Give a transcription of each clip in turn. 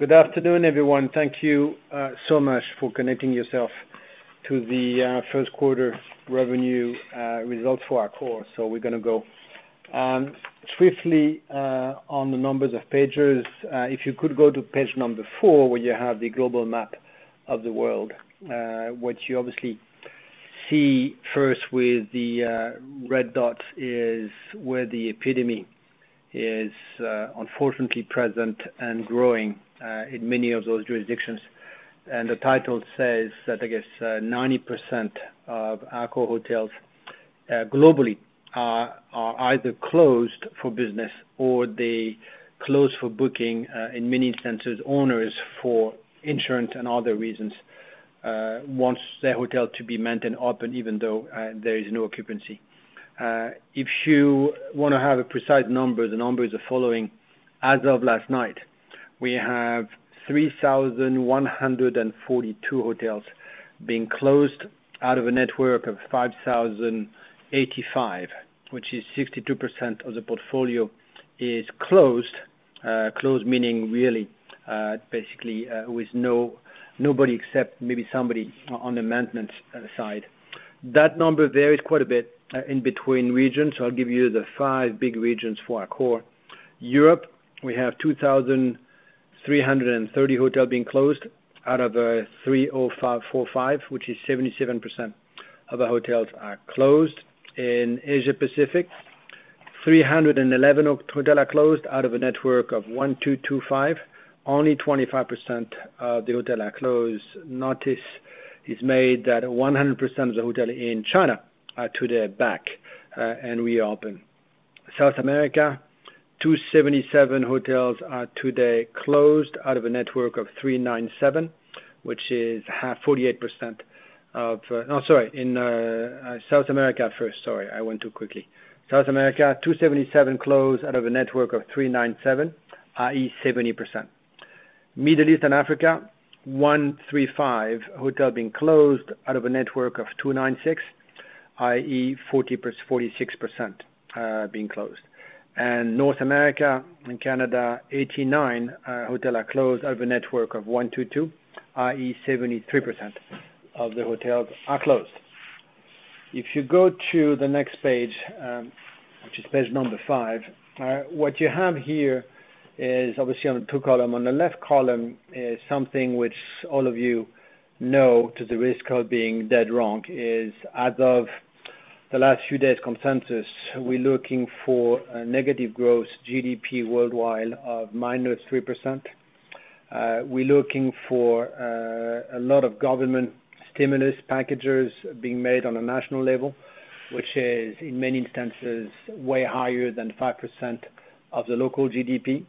Good afternoon, everyone. Thank you so much for connecting yourself to the first-quarter revenue results for Accor. So we're going to go swiftly on the numbers of pages. If you could go to page number four, where you have the global map of the world, what you obviously see first with the red dots is where the epidemic is unfortunately present and growing in many of those jurisdictions. And the title says that, I guess, 90% of Accor hotels globally are either closed for business or they close for booking. In many instances, owners for insurance and other reasons want their hotel to be maintained open, even though there is no occupancy. If you want to have precise numbers, the numbers are following. As of last night, we have 3,142 hotels being closed out of a network of 5,085, which is 62% of the portfolio is closed, closed meaning really basically with nobody except maybe somebody on the maintenance side. That number varies quite a bit in between regions. So I'll give you the five big regions for Accor. Europe, we have 2,330 hotels being closed out of the 3,045, which is 77% of the hotels are closed. In Asia-Pacific, 311 hotels are closed out of a network of 1,225. Only 25% of the hotels are closed. Note is made that 100% of the hotels in China are today back and reopened. South America, 277 hotels are today closed out of a network of 397, which is 48% of, oh, sorry, in South America first. Sorry, I went too quickly. South America, 277 closed out of a network of 397, i.e., 70%. Middle East and Africa, 135 hotels being closed out of a network of 296, i.e., 46% being closed, and North America and Canada, 89 hotels are closed out of a network of 122, i.e., 73% of the hotels are closed. If you go to the next page, which is page number five, what you have here is obviously on the two columns. On the left column is something which all of you know, to the risk of being dead wrong, is, as of the last few days' consensus, we're looking for a negative growth GDP worldwide of minus 3%. We're looking for a lot of government stimulus packages being made on a national level, which is, in many instances, way higher than 5% of the local GDP.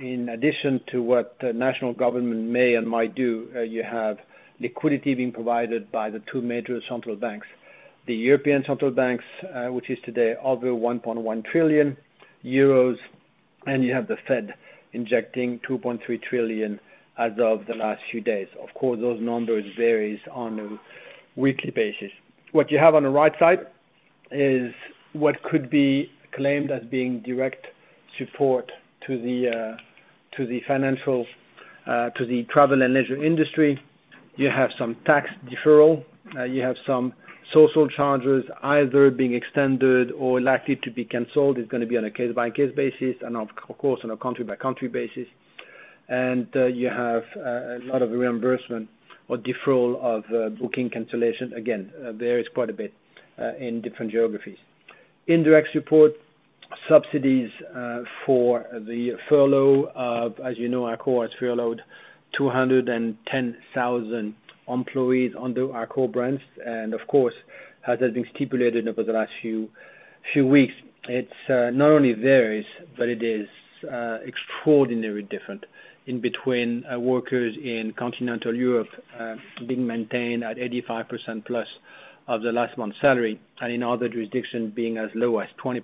In addition to what the national government may and might do, you have liquidity being provided by the two major central banks, the European Central Bank, which is today over 1.1 trillion euros, and you have the Fed injecting $2.3 trillion as of the last few days. Of course, those numbers vary on a weekly basis. What you have on the right side is what could be claimed as being direct support to the financial, to the travel and leisure industry. You have some tax deferral. You have some social charges either being extended or likely to be canceled. It's going to be on a case-by-case basis and, of course, on a country-by-country basis. You have a lot of reimbursement or deferral of booking cancellation. Again, there is quite a bit in different geographies. Indirect support, subsidies for the furlough of, as you know, Accor has furloughed 210,000 employees under Accor brands. And, of course, as has been stipulated over the last few weeks, it's not only various, but it is extraordinarily different in between workers in continental Europe being maintained at 85% plus of the last month's salary and in other jurisdictions being as low as 20%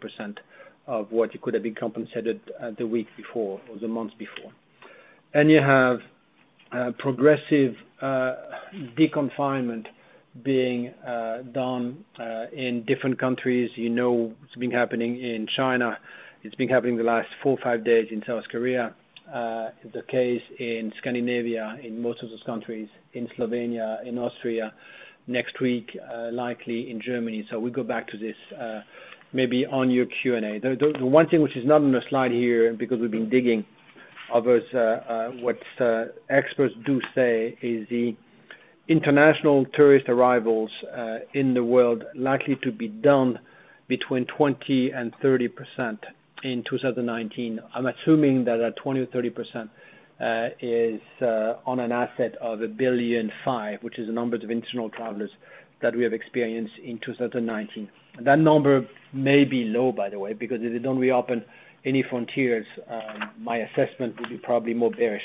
of what you could have been compensated the week before or the month before. And you have progressive deconfinement being done in different countries. You know it's been happening in China. It's been happening the last four, five days. In South Korea, it's the case in Scandinavia, in most of those countries, in Slovenia, in Austria, next week likely in Germany. So we go back to this maybe on your Q&A. The one thing which is not on the slide here because we've been digging into what experts say is the international tourist arrivals in the world likely to be down between 20% and 30% in 2019. I'm assuming that 20% or 30% is on a asset of 1.5 billion, which is the number of international travelers that we have experienced in 2019. That number may be low, by the way, because if they don't reopen any frontiers, my assessment would be probably more bearish.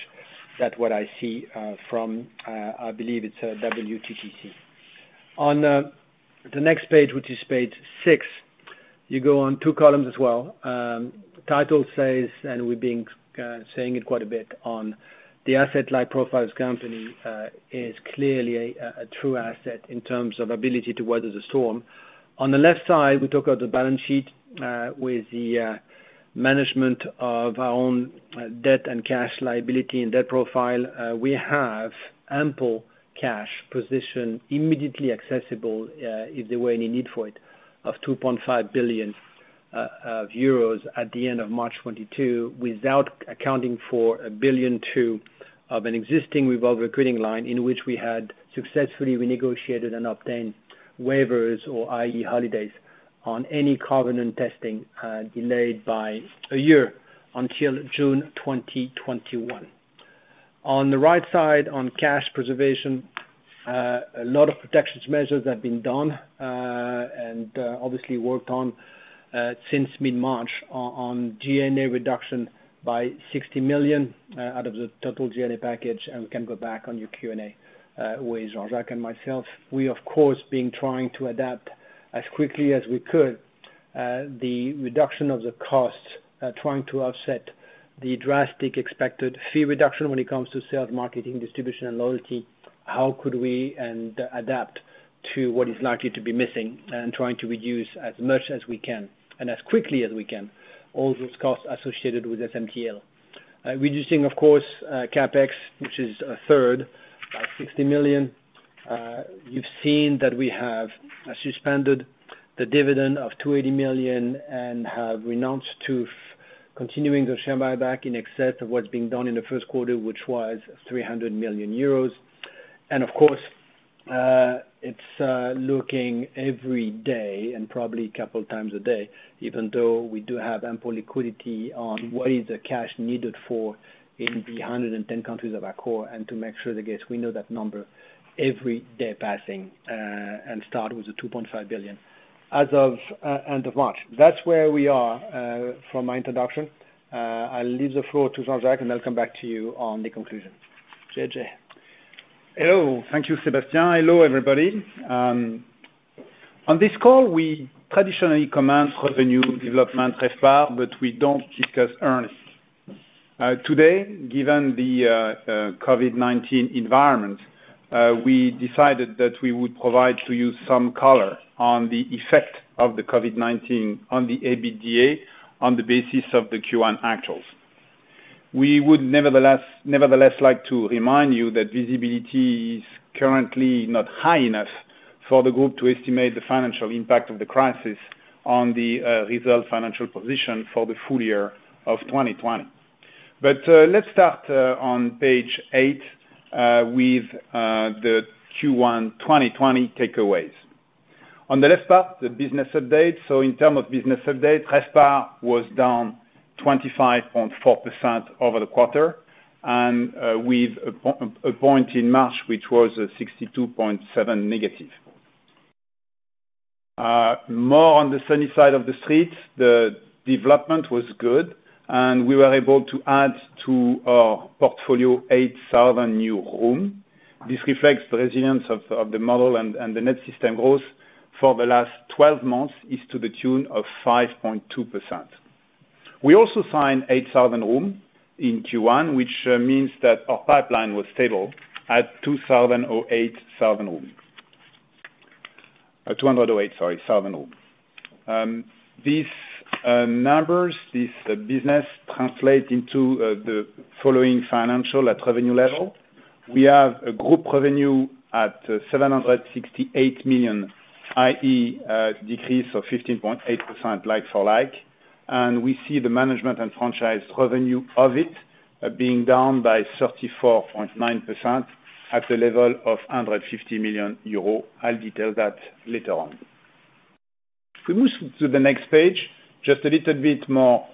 That's what I see from, I believe it's WTTC. On the next page, which is page 6, you go on two columns as well. The title says, and we've been saying it quite a bit, on the asset-light profile company is clearly a true asset in terms of ability to weather the storm. On the left side, we talk about the balance sheet with the management of our own debt and cash liability and debt profile. We have ample cash position immediately accessible if there were any need for it of 2.5 billion euros at the end of March 2022 without accounting for 1.2 billion of an existing revolving credit line in which we had successfully renegotiated and obtained waivers, or i.e., holidays on any COVID-19 covenant testing delayed by a year until June 2021. On the right side on cash preservation, a lot of protection measures have been done and obviously worked on since mid-March on G&A reduction by 60 million out of the total G&A package. We can go back on your Q&A with Jean-Jacques and myself. We, of course, have been trying to adapt as quickly as we could the reduction of the costs, trying to offset the drastic expected fee reduction when it comes to sales, marketing, distribution, and loyalty. How could we adapt to what is likely to be missing and trying to reduce as much as we can and as quickly as we can all those costs associated with SMDL? Reducing, of course, CapEx, which is a third, 60 million. You've seen that we have suspended the dividend of 280 million and have renounced to continuing the share buyback in excess of what's being done in the first quarter, which was 300 million euros. Of course, it's looking every day and probably a couple of times a day, even though we do have ample liquidity on what is the cash needed for in the 110 countries of Accor. And to make sure, I guess we know that number every day passing and start with the 2.5 billion as of end of March. That's where we are from my introduction. I'll leave the floor to Jean-Jacques and I'll come back to you on the conclusion. JJ. Hello. Thank you, Sébastien. Hello, everybody. On this call, we traditionally comment revenue, development, RevPAR, but we don't discuss earnings. Today, given the COVID-19 environment, we decided that we would provide to you some color on the effect of the COVID-19 on the EBITDA on the basis of the Q1 actuals. We would nevertheless like to remind you that visibility is currently not high enough for the group to estimate the financial impact of the crisis on the result financial position for the full year of 2020. Let's start on page eight with the Q1 2020 takeaways. On the left part, the business update. In terms of business update, RevPAR was down 25.4% over the quarter and with a point in March, which was -62.7%. More on the sunny side of the street, the development was good and we were able to add to our portfolio 8,000 new rooms. This reflects the resilience of the model and the net system growth for the last 12 months is to the tune of 5.2%. We also signed 8,000 rooms in Q1, which means that our pipeline was stable at 208,000 rooms. These numbers, this business translates into the following financials at revenue level. We have a group revenue at 768 million EUR, i.e., decrease of 15.8% like for like. And we see the management and franchise revenue of it being down by 34.9% at the level of 150 million euro. I'll detail that later on. We move to the next page. Just a little bit more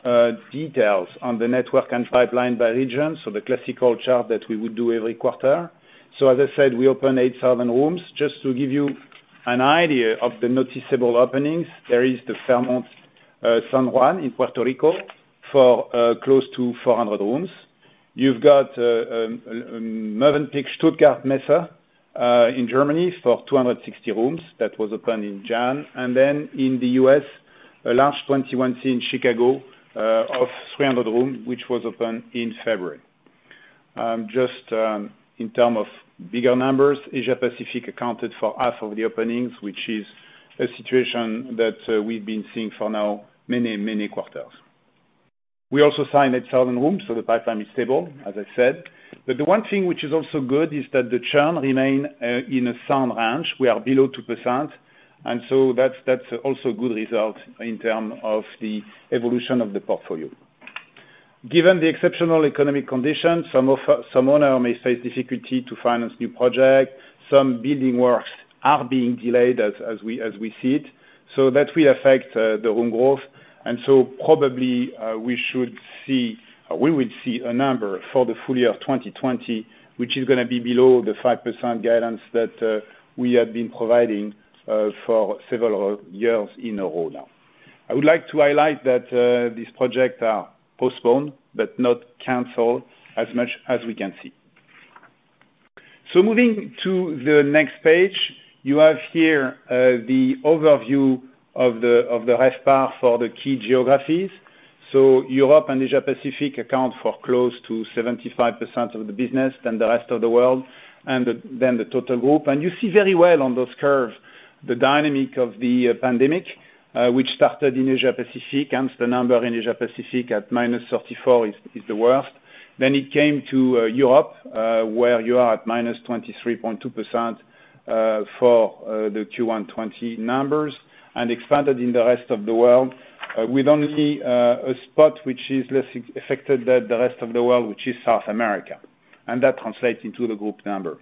details on the network and pipeline by region. So the classical chart that we would do every quarter. So, as I said, we open 8,000 rooms. Just to give you an idea of the noticeable openings, there is the Fairmont San Juan in Puerto Rico for close to 400 rooms. You've got Mövenpick Stuttgart Messe in Germany for 260 rooms that was opened in June. And then in the U.S., a large 21c in Chicago of 300 rooms, which was opened in February. Just in terms of bigger numbers, Asia-Pacific accounted for half of the openings, which is a situation that we've been seeing for now many, many quarters. We also signed 8,000 rooms. So the pipeline is stable, as I said. But the one thing which is also good is that the churn remains in a sound range. We are below 2%. And so that's also a good result in terms of the evolution of the portfolio. Given the exceptional economic conditions, some owners may face difficulty to finance new projects. Some building works are being delayed as we see it. That will affect the room growth. And so probably we should see, we will see a number for the full year 2020, which is going to be below the 5% guidance that we had been providing for several years in a row now. I would like to highlight that these projects are postponed but not canceled as much as we can see. Moving to the next page, you have here the overview of the RevPAR for the key geographies. Europe and Asia-Pacific account for close to 75% of the business with the rest of the world and then the total group. You see very well on those curves the dynamic of the pandemic, which started in Asia-Pacific. Hence, the number in Asia-Pacific at -34% is the worst. Then it came to Europe, where you are at -23.2% for the Q1 2020 numbers and expanded in the rest of the world with only a spot which is less affected than the rest of the world, which is South America. And that translates into the group number.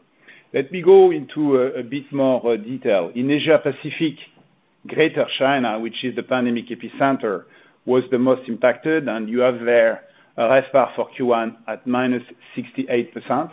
Let me go into a bit more detail. In Asia-Pacific, Greater China, which is the pandemic epicenter, was the most impacted. And you have there a RevPAR for Q1 at -68%.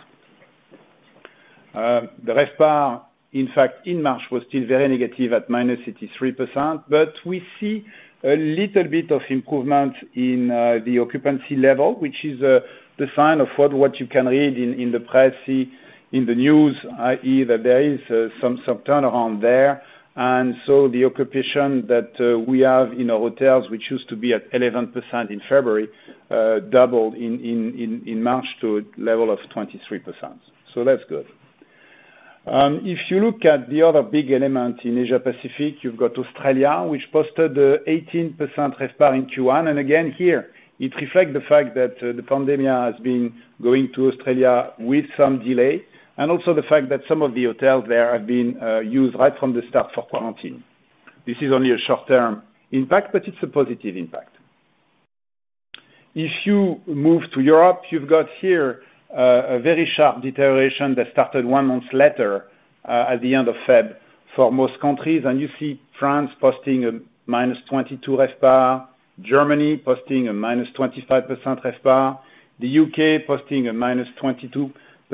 The RevPAR, in fact, in March was still very negative at -83%. But we see a little bit of improvement in the occupancy level, which is the sign of what you can read in the press, see in the news, i.e., that there is some turnaround there. And so the occupancy that we have in our hotels, which used to be at 11% in February, doubled in March to a level of 23%. So that's good. If you look at the other big elements in Asia-Pacific, you've got Australia, which posted 18% RevPAR in Q1. And again, here, it reflects the fact that the pandemic has been going to Australia with some delay and also the fact that some of the hotels there have been used right from the start for quarantine. This is only a short-term impact, but it's a positive impact. If you move to Europe, you've got here a very sharp deterioration that started one month later at the end of February for most countries. And you see France posting a -22% RevPAR, Germany posting a -25% RevPAR, the U.K. posting a -22%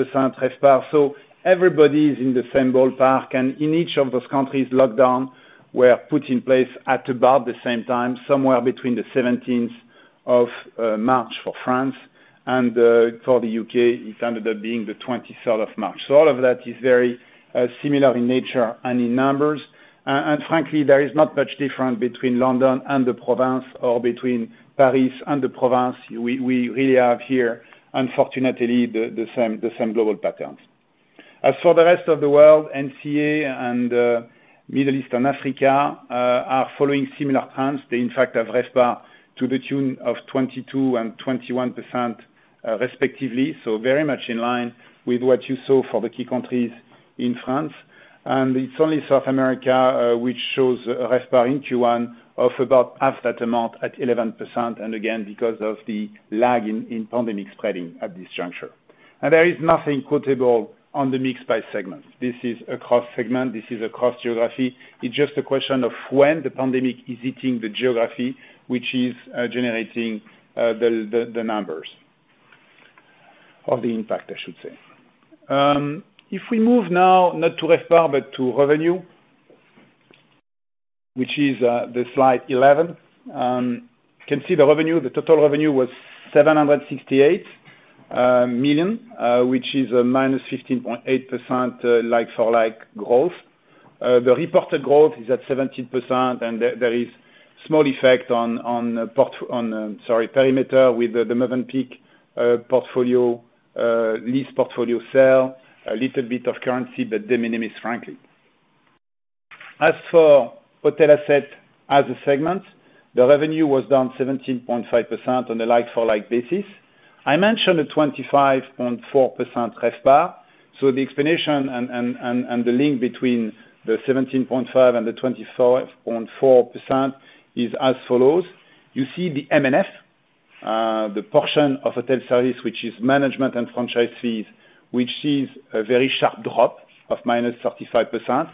RevPAR. Everybody is in the same ballpark. And in each of those countries, lockdowns were put in place at about the same time, somewhere between the 17th of March for France. And for the U.K., it ended up being the 23rd of March. So all of that is very similar in nature and in numbers. And frankly, there is not much difference between London and the provinces or between Paris and the provinces. We really have here, unfortunately, the same global patterns. As for the rest of the world, NCA and Middle East and Africa are following similar trends. They, in fact, have RevPAR to the tune of 22% and 21% respectively. So very much in line with what you saw for the key countries in France. And it's only South America which shows RevPAR in Q1 of about half that amount at 11%. Again, because of the lag in pandemic spreading at this juncture. There is nothing quotable on the mixed price segment. This is a cross segment. This is a cross geography. It's just a question of when the pandemic is hitting the geography, which is generating the numbers of the impact, I should say. If we move now, not to RevPAR, but to revenue, which is the Slide 11, you can see the revenue, the total revenue was 768 million, which is a minus 15.8% like for like growth. The reported growth is at 17%. And there is small effect on, sorry, perimeter with the Mövenpick portfolio, lease portfolio sale, a little bit of currency, but de minimis frankly. As for hotel asset as a segment, the revenue was down 17.5% on a like for like basis. I mentioned a 25.4% RevPAR. The explanation and the link between the 17.5% and the 25.4% is as follows. You see the M&F, the portion of hotel service, which is management and franchise fees, which sees a very sharp drop of -35%.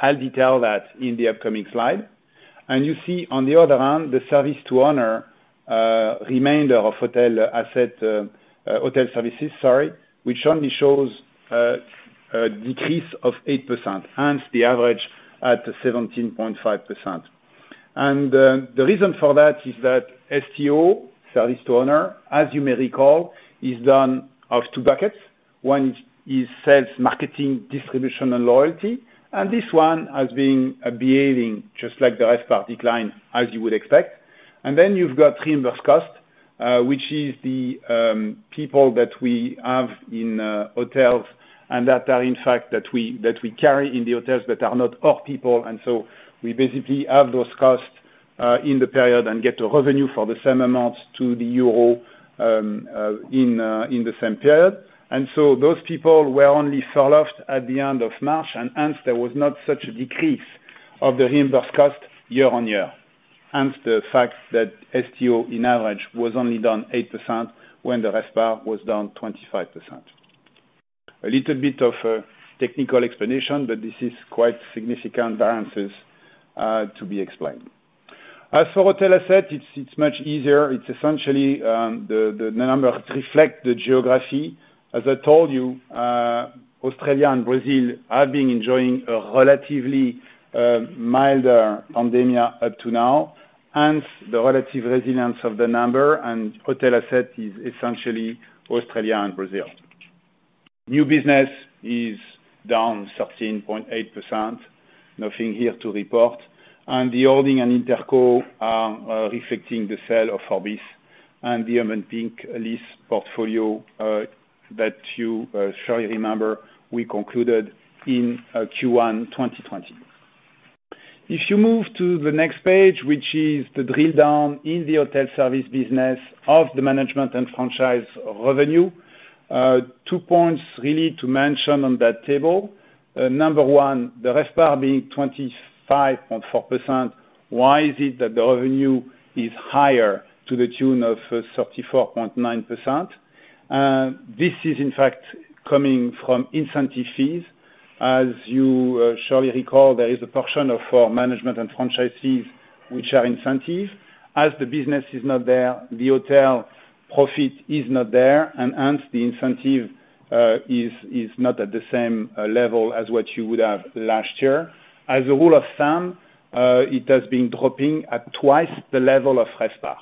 I'll detail that in the upcoming slide. You see on the other hand, the service to owner, remainder of hotel services, sorry, which only shows a decrease of 8%. Hence, the average at 17.5%. The reason for that is that STO, service to owner, as you may recall, is made of two buckets. One is sales, marketing, distribution, and loyalty. This one has been behaving just like the RevPAR decline, as you would expect. Then you've got reimbursed cost, which is the people that we have in hotels and that we carry in the hotels that are not our people. We basically have those costs in the period and get the revenue for the same amounts in euros in the same period. Those people were only furloughed at the end of March. Hence, there was not such a decrease of the reimbursed cost year on year. Hence the fact that STO, on average, was only down 8% when the RevPAR was down 25%. A little bit of technical explanation, but this is quite significant variance to be explained. As for hotel assets, it's much easier. It's essentially the number reflects the geography. As I told you, Australia and Brazil have been enjoying a relatively milder pandemic up to now. Hence, the relative resilience of the number and hotel assets is essentially Australia and Brazil. New business is down 13.8%. Nothing here to report. The holding and Interco are reflecting the sale of Orbis and the Mövenpick lease portfolio that you surely remember we concluded in Q1 2020. If you move to the next page, which is the drill down in the hotel service business of the management and franchise revenue, two points really to mention on that table. Number one, the RevPAR being 25.4%. Why is it that the revenue is higher to the tune of 34.9%? This is, in fact, coming from incentive fees. As you surely recall, there is a portion of our management and franchise fees which are incentive. As the business is not there, the hotel profit is not there. And hence, the incentive is not at the same level as what you would have last year. As a rule of thumb, it has been dropping at twice the level of RevPAR.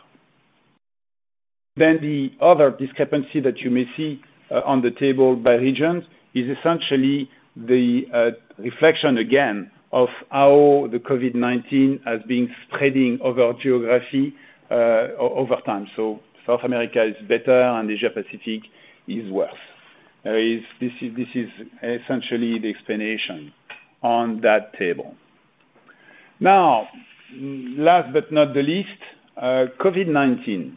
Then the other discrepancy that you may see on the table by regions is essentially the reflection again of how the COVID-19 has been spreading over geography over time. So South America is better and Asia-Pacific is worse. This is essentially the explanation on that table. Now, last but not least, COVID-19.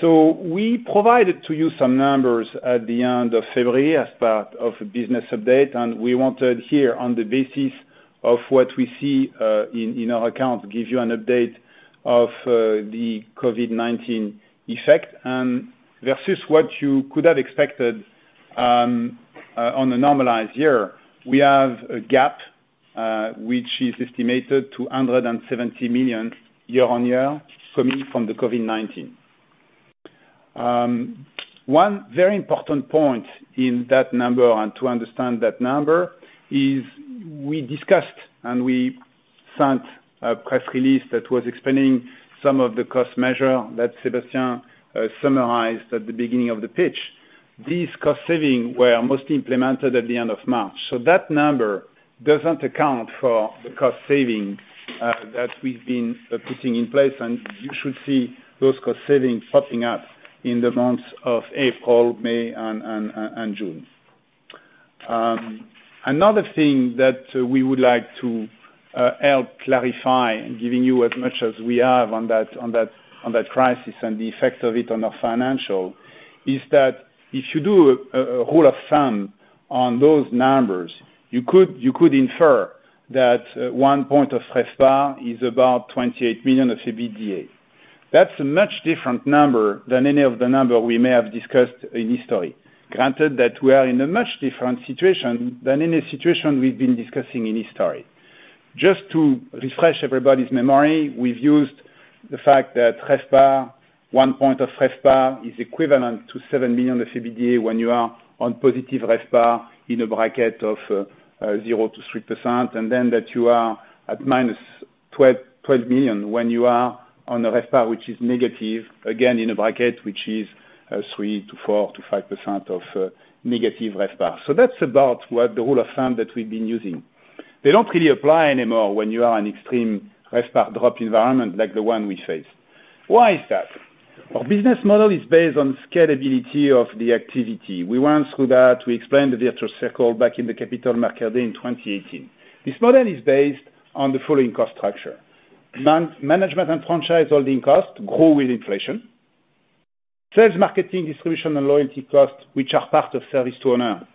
So we provided to you some numbers at the end of February as part of a business update. And we wanted here, on the basis of what we see in our account, to give you an update of the COVID-19 effect versus what you could have expected on a normalized year. We have a gap which is estimated to 170 million year on year coming from the COVID-19. One very important point in that number, and to understand that number, is we discussed and we sent a press release that was explaining some of the cost measures that Sébastien summarized at the beginning of the pitch. These cost savings were mostly implemented at the end of March. So that number doesn't account for the cost savings that we've been putting in place. And you should see those cost savings popping up in the months of April, May, and June. Another thing that we would like to help clarify, giving you as much as we have on that crisis and the effect of it on our financial, is that if you do a rule of thumb on those numbers, you could infer that one point of RevPAR is about 28 million of EBITDA. That's a much different number than any of the numbers we may have discussed in history. Granted that we are in a much different situation than any situation we've been discussing in history. Just to refresh everybody's memory, we've used the fact that RevPAR, one point of RevPAR, is equivalent to 7 million of EBITDA when you are on positive RevPAR in a bracket of 0-3%. And then that you are at -12 million when you are on a RevPAR which is negative, again, in a bracket which is 3%-5% of negative RevPAR. So that's about what the rule of thumb that we've been using. They don't really apply anymore when you are in an extreme RevPAR drop environment like the one we faced. Why is that? Our business model is based on scalability of the activity. We went through that. We explained the virtuous circle back in the Capital Markets Day in 2018. This model is based on the following cost structure. Management and franchise holding costs grow with inflation. Sales, marketing, distribution, and loyalty costs, which are part of service to owner,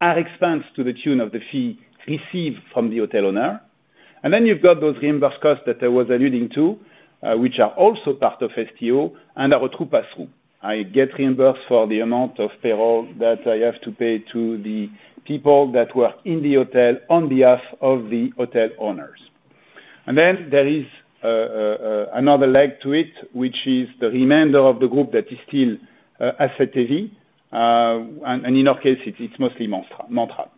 are expensed to the tune of the fee received from the hotel owner. And then you've got those reimbursed costs that I was alluding to, which are also part of STO and are a pass-through. I get reimbursed for the amount of payroll that I have to pay to the people that work in the hotel on behalf of the hotel owners. And then there is another leg to it, which is the remainder of the group that is still asset heavy. And in our case, it's mostly rental.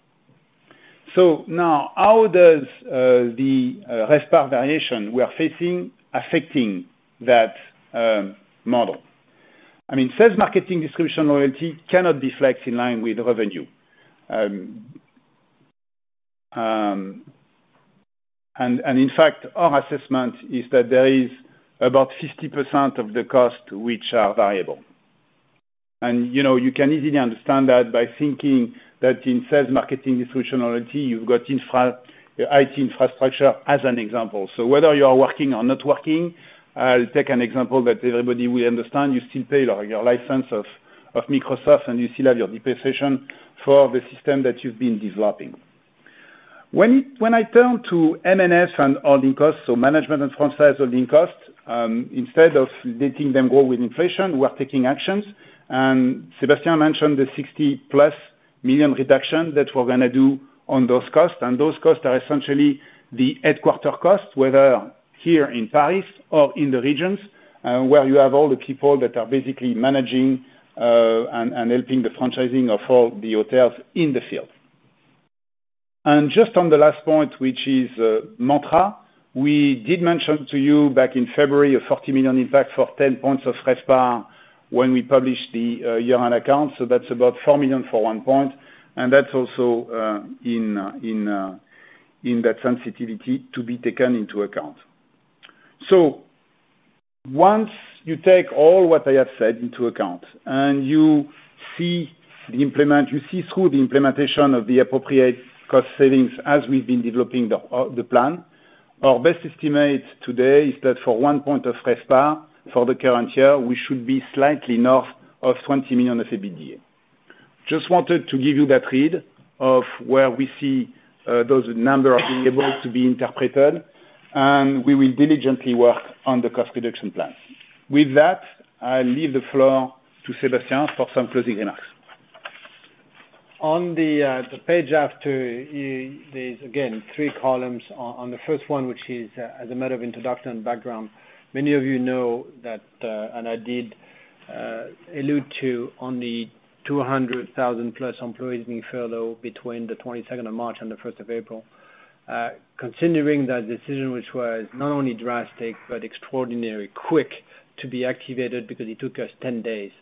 So now, how does the RevPAR variation we are facing affect that model? I mean, sales, marketing, distribution, loyalty cannot be flexed in line with revenue. And in fact, our assessment is that there is about 50% of the costs which are variable. And you can easily understand that by thinking that in sales, marketing, distribution, loyalty, you've got IT infrastructure as an example. So whether you are working or not working, I'll take an example that everybody will understand. You still pay your license of Microsoft, and you still have your depreciation for the system that you've been developing. When I turn to M&F and holding costs, so management and franchise holding costs, instead of letting them grow with inflation, we're taking actions. And Sébastien mentioned the 60+ million reduction that we're going to do on those costs. Those costs are essentially the headquarters costs, whether here in Paris or in the regions where you have all the people that are basically managing and helping the franchising of all the hotels in the field. Just on the last point, which is material, we did mention to you back in February a 40 million impact for 10 points of RevPAR when we published the year-end account. So that's about 4 million for one point. And that's also in that sensitivity to be taken into account. So once you take all what I have said into account and you see the impact, you see through the implementation of the appropriate cost savings as we've been developing the plan, our best estimate today is that for one point of RevPAR for the current year, we should be slightly north of 20 million of EBITDA. Just wanted to give you that read of where we see those numbers being able to be interpreted. And we will diligently work on the cost reduction plan. With that, I'll leave the floor to Sébastien for some closing remarks. On the page after, there's again three columns. On the first one, which is as a matter of introduction and background, many of you know that, and I did allude to, only 200,000-plus employees being furloughed between the 22nd of March and the 1st of April. Considering that decision, which was not only drastic but extraordinarily quick to be activated because it took us 10 days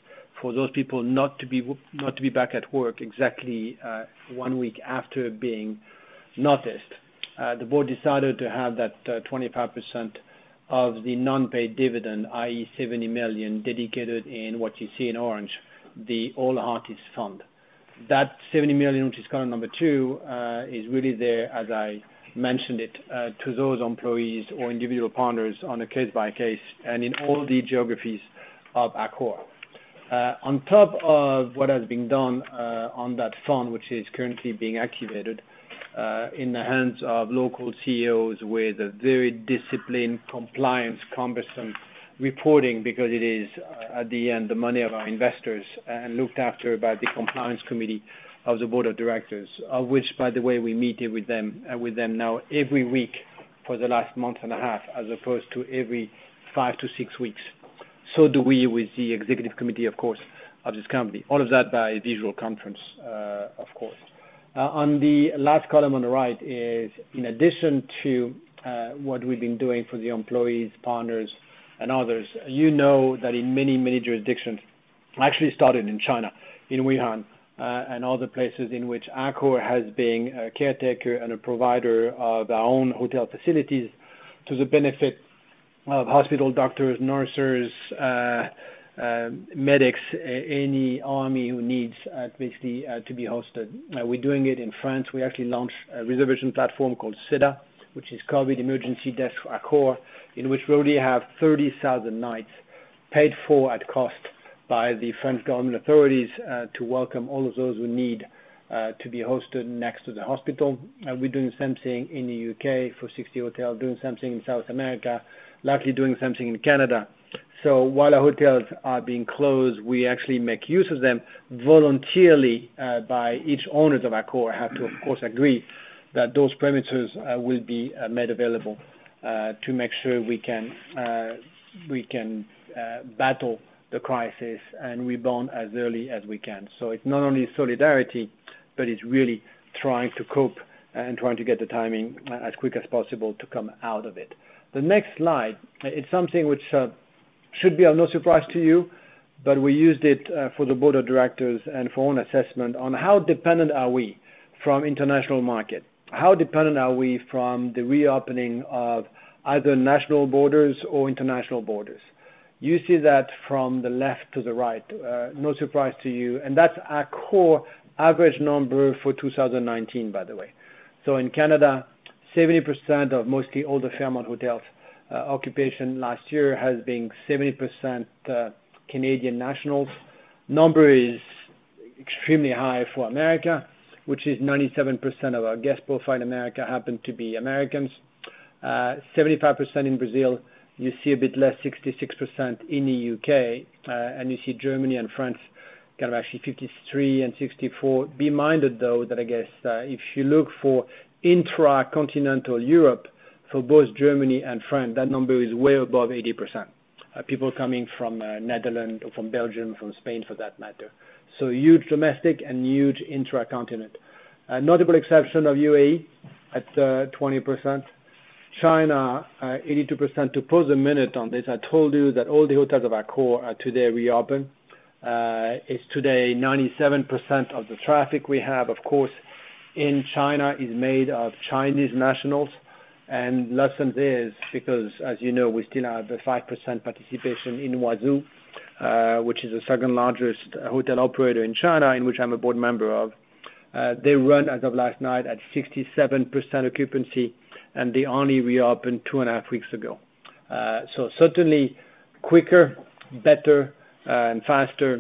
for those people not to be back at work exactly one week after being noticed, the board decided to have that 25% of the non-paid dividend, i.e., 70 million, dedicated in what you see in orange, the ALL Heartist Fund. That 70 million, which is column number two, is really there, as I mentioned it, to those employees or individual partners on a case-by-case and in all the geographies of Accor. On top of what has been done on that fund, which is currently being activated in the hands of local CEOs with a very disciplined, compliant, cumbersome reporting because it is, at the end, the money of our investors and looked after by the compliance committee of the board of directors, of which, by the way, we meet with them now every week for the last month and a half as opposed to every five to six weeks. So do we with the executive committee, of course, of this company. All of that by a video conference, of course. On the last column on the right is, in addition to what we've been doing for the employees, partners, and others, you know that in many, many jurisdictions, actually started in China, in Wuhan, and other places in which Accor has been a caretaker and a provider of our own hotel facilities to the benefit of hospital doctors, nurses, medics, any army who needs basically to be hosted. We're doing it in France. We actually launched a reservation platform called CEDA, which is COVID Emergency Desk Accor, in which we already have 30,000 nights paid for at cost by the French government authorities to welcome all of those who need to be hosted next to the hospital. We're doing the same thing in the U.K. for 60 hotels, doing the same thing in South America, likely doing the same thing in Canada. So while our hotels are being closed, we actually make use of them voluntarily by each owner of Accor. I have to, of course, agree that those premises will be made available to make sure we can battle the crisis and rebound as early as we can. It's not only solidarity, but it's really trying to cope and trying to get the timing as quick as possible to come out of it. The next slide, it's something which should be of no surprise to you, but we used it for the board of directors and for own assessment on how dependent are we from international market. How dependent are we from the reopening of either national borders or international borders? You see that from the left to the right. No surprise to you, and that's Accor average number for 2019, by the way. In Canada, 70% of mostly older Fairmont hotels' occupancy last year has been 70% Canadian nationals. Number is extremely high for America, which is 97% of our guest profile in America happen to be Americans. 75% in Brazil. You see a bit less, 66% in the U.K. You see Germany and France kind of actually 53% and 64%. Bear in mind, though, that I guess if you look for intra-continental Europe for both Germany and France, that number is way above 80%. People coming from Netherlands, from Belgium, from Spain for that matter. Huge domestic and huge intra-continent. Notable exception of UAE at 20%. China, 82%. To pause a minute on this. I told you that all the hotels of Accor are today reopened. It's today 97% of the traffic we have, of course, in China is made of Chinese nationals. And less than this because, as you know, we still have a 5% participation in Huazhu, which is the second largest hotel operator in China in which I'm a board member of. They run, as of last night, at 67% occupancy, and they only reopened two and a half weeks ago. Certainly quicker, better, and faster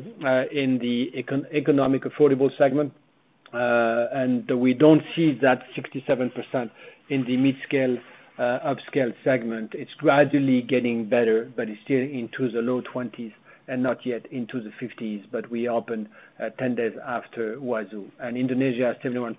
in the economic affordable segment. We don't see that 67% in the mid-scale, upscale segment. It's gradually getting better, but it's still into the low 20s and not yet into the 50s. We opened 10 days after Huazhu. Indonesia has 71%.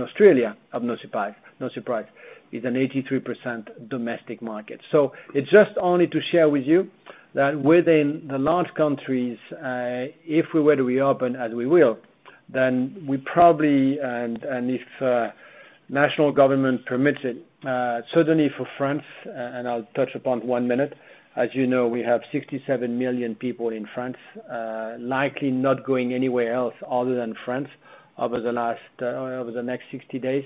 Australia, no surprise, no surprise, is an 83% domestic market. So it's just only to share with you that within the large countries, if we were to reopen, as we will, then we probably, and if national government permits it, certainly for France, and I'll touch upon one minute, as you know, we have 67 million people in France, likely not going anywhere else other than France over the next 60 days.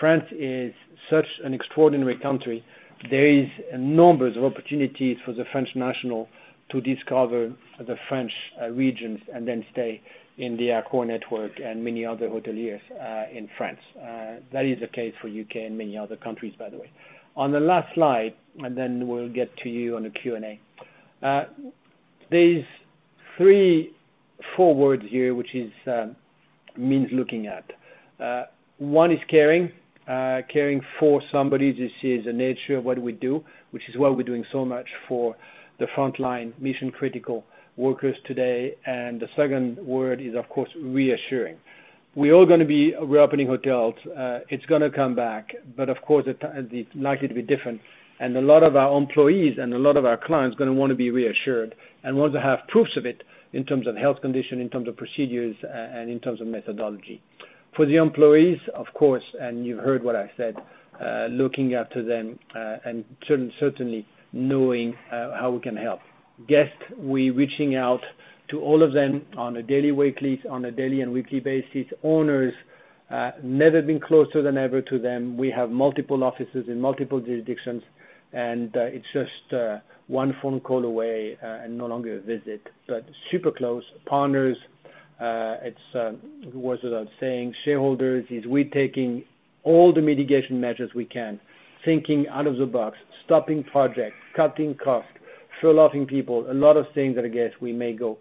France is such an extraordinary country. There are numbers of opportunities for the French national to discover the French regions and then stay in the Accor network and many other hoteliers in France. That is the case for U.K. and many other countries, by the way. On the last slide, and then we'll get to you on the Q&A. There's three, four words here which means looking at. One is caring, caring for somebody who sees the nature of what we do, which is why we're doing so much for the frontline mission-critical workers today. And the second word is, of course, reassuring. We're all going to be reopening hotels. It's going to come back, but of course, it's likely to be different. And a lot of our employees and a lot of our clients are going to want to be reassured and want to have proofs of it in terms of health condition, in terms of procedures, and in terms of methodology. For the employees, of course, and you've heard what I said, looking after them and certainly knowing how we can help. Guests, we're reaching out to all of them on a daily and weekly basis. Owners, never been closer than ever to them. We have multiple offices in multiple jurisdictions, and it's just one phone call away and no longer a visit, but super close. Partners, it's worth saying. Shareholders, we're taking all the mitigation measures we can, thinking out of the box, stopping projects, cutting costs, furloughing people, a lot of things that, I guess, we may go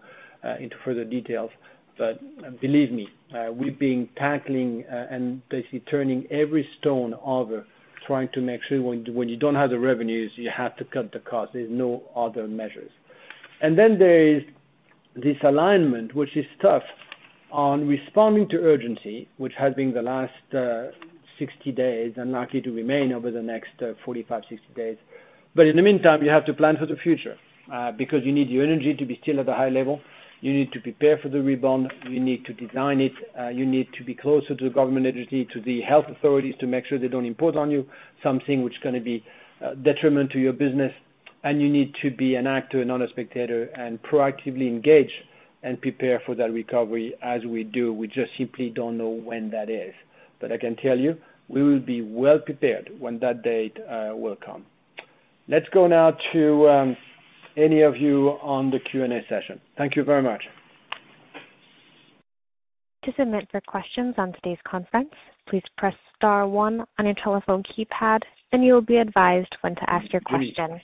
into further details. But believe me, we've been tackling and basically turning every stone over, trying to make sure when you don't have the revenues, you have to cut the cost. There's no other measures. And then there is this alignment, which is tough on responding to urgency, which has been the last 60 days and likely to remain over the next 45, 60 days. But in the meantime, you have to plan for the future because you need your energy to be still at a high level. You need to prepare for the rebound. You need to design it. You need to be closer to the government agency, to the health authorities, to make sure they don't impose on you something which is going to be a detriment to your business. And you need to be an actor, not a spectator, and proactively engage and prepare for that recovery as we do. We just simply don't know when that is. But I can tell you, we will be well prepared when that date will come. Let's go now to any of you on the Q&A session. Thank you very much. To submit for questions on today's conference, please press star one on your telephone keypad, and you will be advised when to ask your question.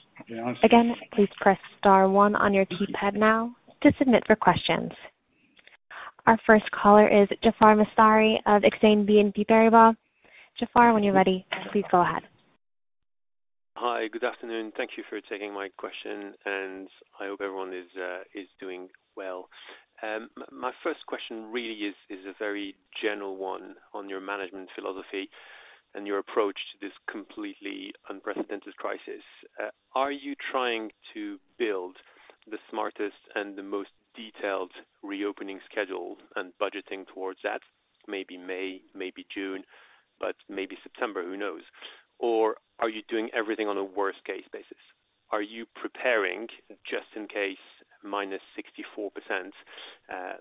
Again, please press star one on your keypad now to submit for questions. Our first caller is Jaafar Mestari of Exane BNP Paribas. Jaafar, when you're ready, please go ahead. Hi. Good afternoon. Thank you for taking my question, and I hope everyone is doing well. My first question really is a very general one on your management philosophy and your approach to this completely unprecedented crisis. Are you trying to build the smartest and the most detailed reopening schedule and budgeting towards that? Maybe May, maybe June, but maybe September, who knows? Or are you doing everything on a worst-case basis? Are you preparing just in case minus 64%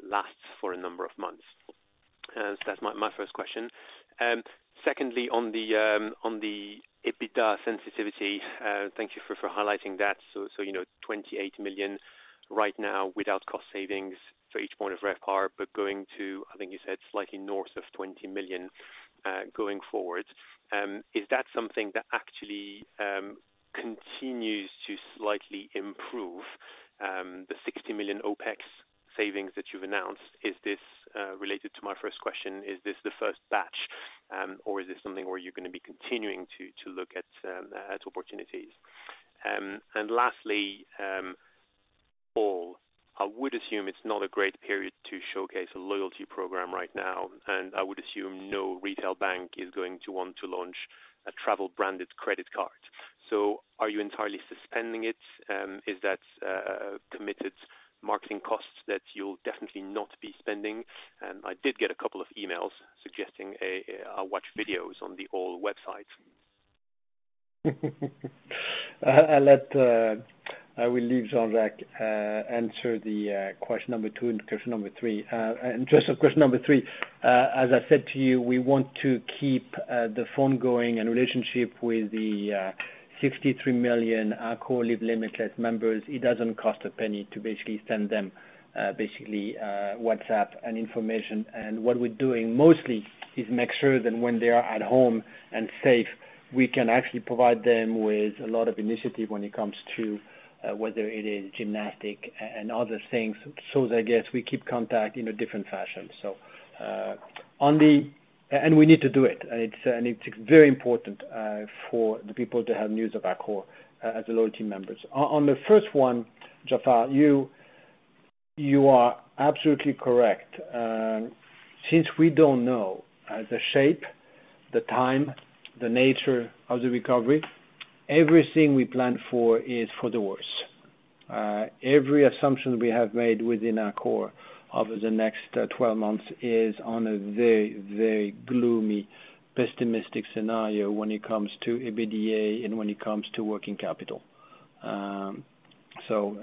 lasts for a number of months? So that's my first question. Secondly, on the EBITDA sensitivity, thank you for highlighting that. So 28 million right now without cost savings for each point of RevPAR, but going to, I think you said, slightly north of 20 million going forward. Is that something that actually continues to slightly improve the 60 million OpEx savings that you've announced? Is this related to my first question? Is this the first batch, or is this something where you're going to be continuing to look at opportunities? And lastly, ALL, I would assume it's not a great period to showcase a loyalty program right now. And I would assume no retail bank is going to want to launch a travel-branded credit card. So are you entirely suspending it? Is that committed marketing costs that you'll definitely not be spending? And I did get a couple of emails suggesting I'll watch videos on the ALL website. I will leave Jean-Jacques answer the question number two and question number three. In terms of question number three, as I said to you, we want to keep the bond going and relationship with the 63 million Accor Live Limitless members. It doesn't cost a penny to basically send them basically WhatsApp and information. And what we're doing mostly is make sure that when they are at home and safe, we can actually provide them with a lot of initiative when it comes to whether it is gymnastics and other things. So I guess we keep contact in a different fashion. And we need to do it. And it's very important for the people to have news of Accor as the loyalty members. On the first one, Jaafar, you are absolutely correct. Since we don't know the shape, the time, the nature of the recovery, everything we plan for is for the worst. Every assumption we have made within Accor over the next 12 months is on a very, very gloomy, pessimistic scenario when it comes to EBITDA and when it comes to working capital. And so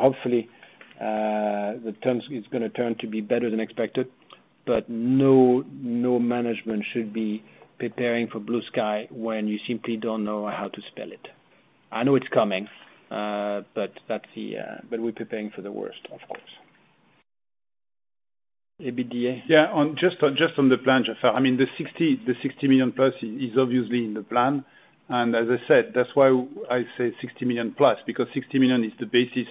hopefully, the terms is going to turn to be better than expected, but no management should be preparing for blue sky when you simply don't know how to spell it. I know it's coming, but we're preparing for the worst, of course. EBITDA? Yeah. Just on the plan, Jaafar. I mean, the 60 million plus is obviously in the plan. And as I said, that's why I say 60 million plus, because 60 million is the basis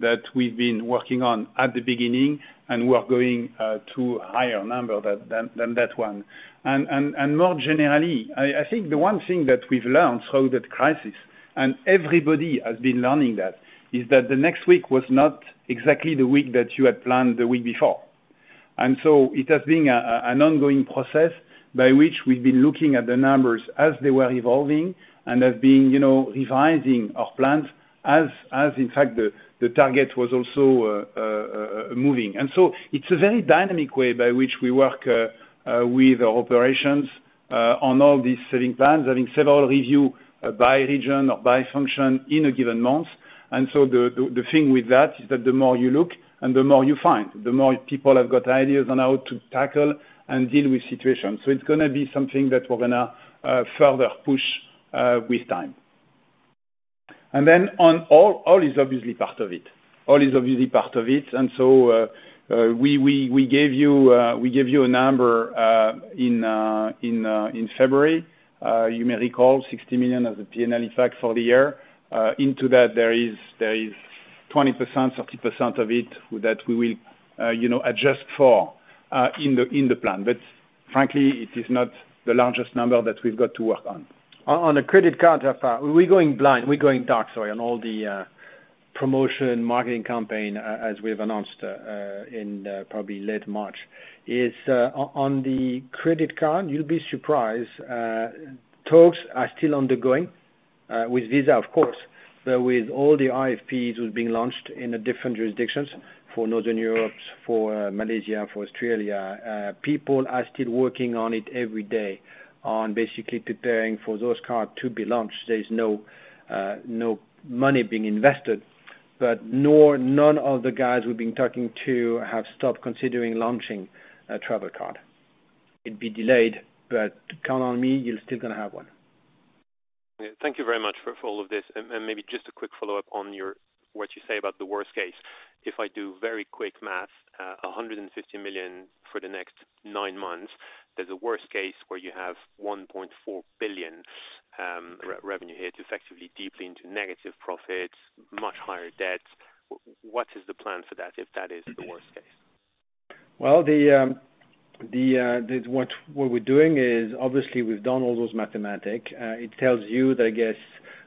that we've been working on at the beginning, and we're going to a higher number than that one. And more generally, I think the one thing that we've learned through that crisis, and everybody has been learning that, is that the next week was not exactly the week that you had planned the week before. And so it has been an ongoing process by which we've been looking at the numbers as they were evolving and have been revising our plans as, in fact, the target was also moving. And so it's a very dynamic way by which we work with our operations on all these saving plans, having several reviews by region or by function in a given month. And so the thing with that is that the more you look and the more you find, the more people have got ideas on how to tackle and deal with situations. So it's going to be something that we're going to further push with time. And then ALL is obviously part of it. ALL is obviously part of it. And so we gave you a number in February. You may recall 60 million as the P&L effect for the year. Into that, there is 20%-30% of it that we will adjust for in the plan. But frankly, it is not the largest number that we've got to work on. On the credit card, Jaafar, we're going blind. We're going dark, sorry, on all the promotion marketing campaign as we've announced in probably late March. On the credit card, you'll be surprised. Talks are still undergoing with Visa, of course, but with all the RFPs who've been launched in different jurisdictions for Northern Europe, for Malaysia, for Australia. People are still working on it every day on basically preparing for those cards to be launched. There's no money being invested, but none of the guys we've been talking to have stopped considering launching a travel card. It'd be delayed, but count on me, you're still going to have one. Thank you very much for all of this. And maybe just a quick follow-up on what you say about the worst case. If I do very quick math, 150 million for the next nine months, there's a worst case where you have 1.4 billion revenue hit, effectively deeply into negative profits, much higher debt. What is the plan for that if that is the worst case? What we're doing is obviously we've done all those mathematics. It tells you that, I guess,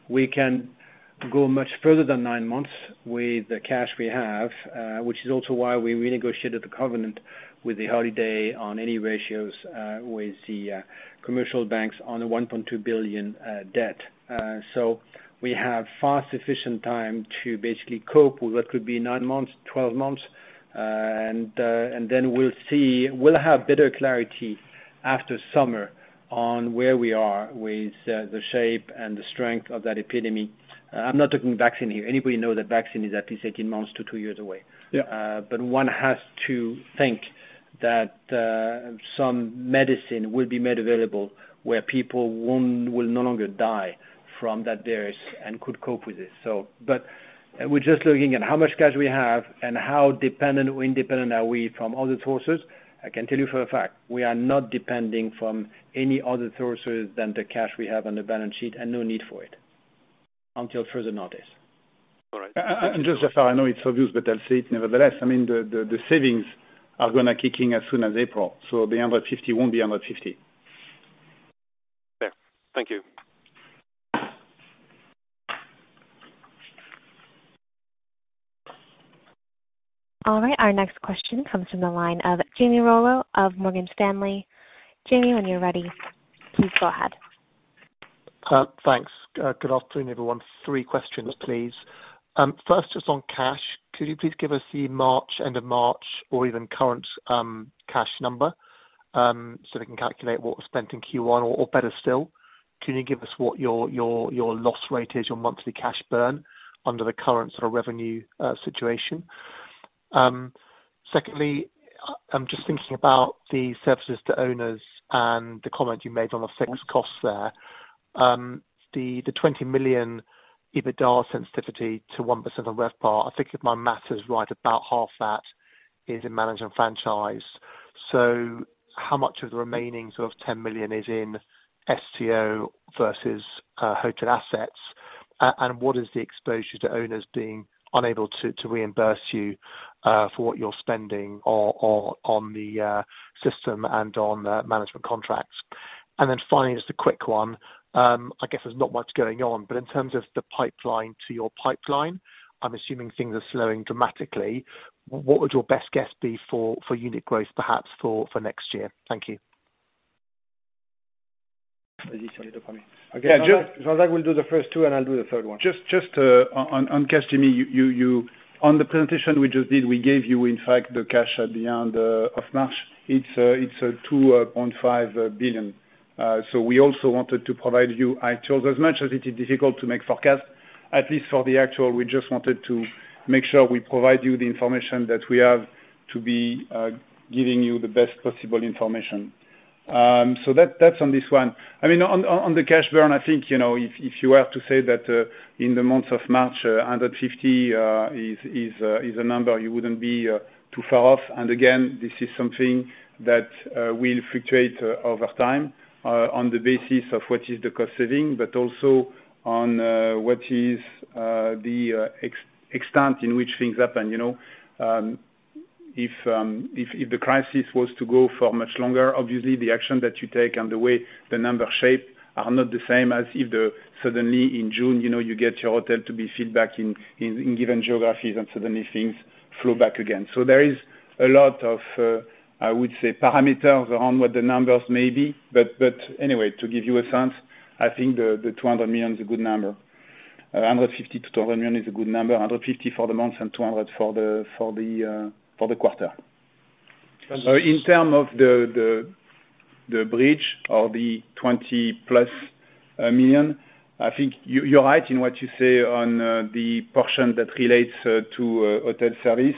we can go much further than nine months with the cash we have, which is also why we renegotiated the covenant with a holiday on any ratios with the commercial banks on a 1.2 billion debt. So we have fast, efficient time to basically cope with what could be nine months, 12 months. And then we'll have better clarity after summer on where we are with the shape and the strength of that epidemic. I'm not talking vaccine here. Anybody knows that vaccine is at least 18 months to two years away. But one has to think that some medicine will be made available where people will no longer die from that virus and could cope with it. But we're just looking at how much cash we have and how dependent or independent are we from other sources? I can tell you for a fact, we are not depending from any other sources than the cash we have on the balance sheet and no need for it until further notice. All right. Just, Jaafar, I know it's obvious, but I'll say it nevertheless. I mean, the savings are going to kick in as soon as April. The 150 won't be 150. Thank you. All right. Our next question comes from the line of Jamie Rollo of Morgan Stanley. Jamie, when you're ready, please go ahead. Thanks. Good afternoon, everyone. Three questions, please. First, just on cash, could you please give us the end of March or even current cash number so we can calculate what was spent in Q1 or better still? Can you give us what your loss rate is, your monthly cash burn under the current sort of revenue situation? Secondly, I'm just thinking about the services to owners and the comment you made on the fixed costs there. The €20 million EBITDA sensitivity to 1% of RevPAR, I think if my math is right, about half that is in management franchise. So how much of the remaining sort of €10 million is in STO versus hotel assets? And what is the exposure to owners being unable to reimburse you for what you're spending on the system and on management contracts? And then finally, just a quick one. I guess there's not much going on, but in terms of the pipeline to your pipeline, I'm assuming things are slowing dramatically. What would your best guess be for unit growth, perhaps, for next year? Thank you. Yeah. Jean-Jacques, I will do the first two, and I'll do the third one. Just on cash, Jamie, on the presentation we just did, we gave you, in fact, the cash at the end of March. It's 2.5 billion. So we also wanted to provide you actuals. As much as it is difficult to make forecasts, at least for the actual, we just wanted to make sure we provide you the information that we have to be giving you the best possible information. So that's on this one. I mean, on the cash burn, I think if you were to say that in the month of March, under 50 is a number, you wouldn't be too far off. And again, this is something that will fluctuate over time on the basis of what is the cost saving, but also on what is the extent in which things happen. If the crisis was to go for much longer, obviously the action that you take and the way the number shape are not the same as if suddenly in June, you get your hotel to be filled back in given geographies and suddenly things flow back again. So there is a lot of, I would say, parameters around what the numbers may be. But anyway, to give you a sense, I think the 200 million is a good number. Under 50-200 million is a good number. Under 50 for the months and 200 for the quarter. In terms of the bridge or the 20-plus million, I think you're right in what you say on the portion that relates to hotel service.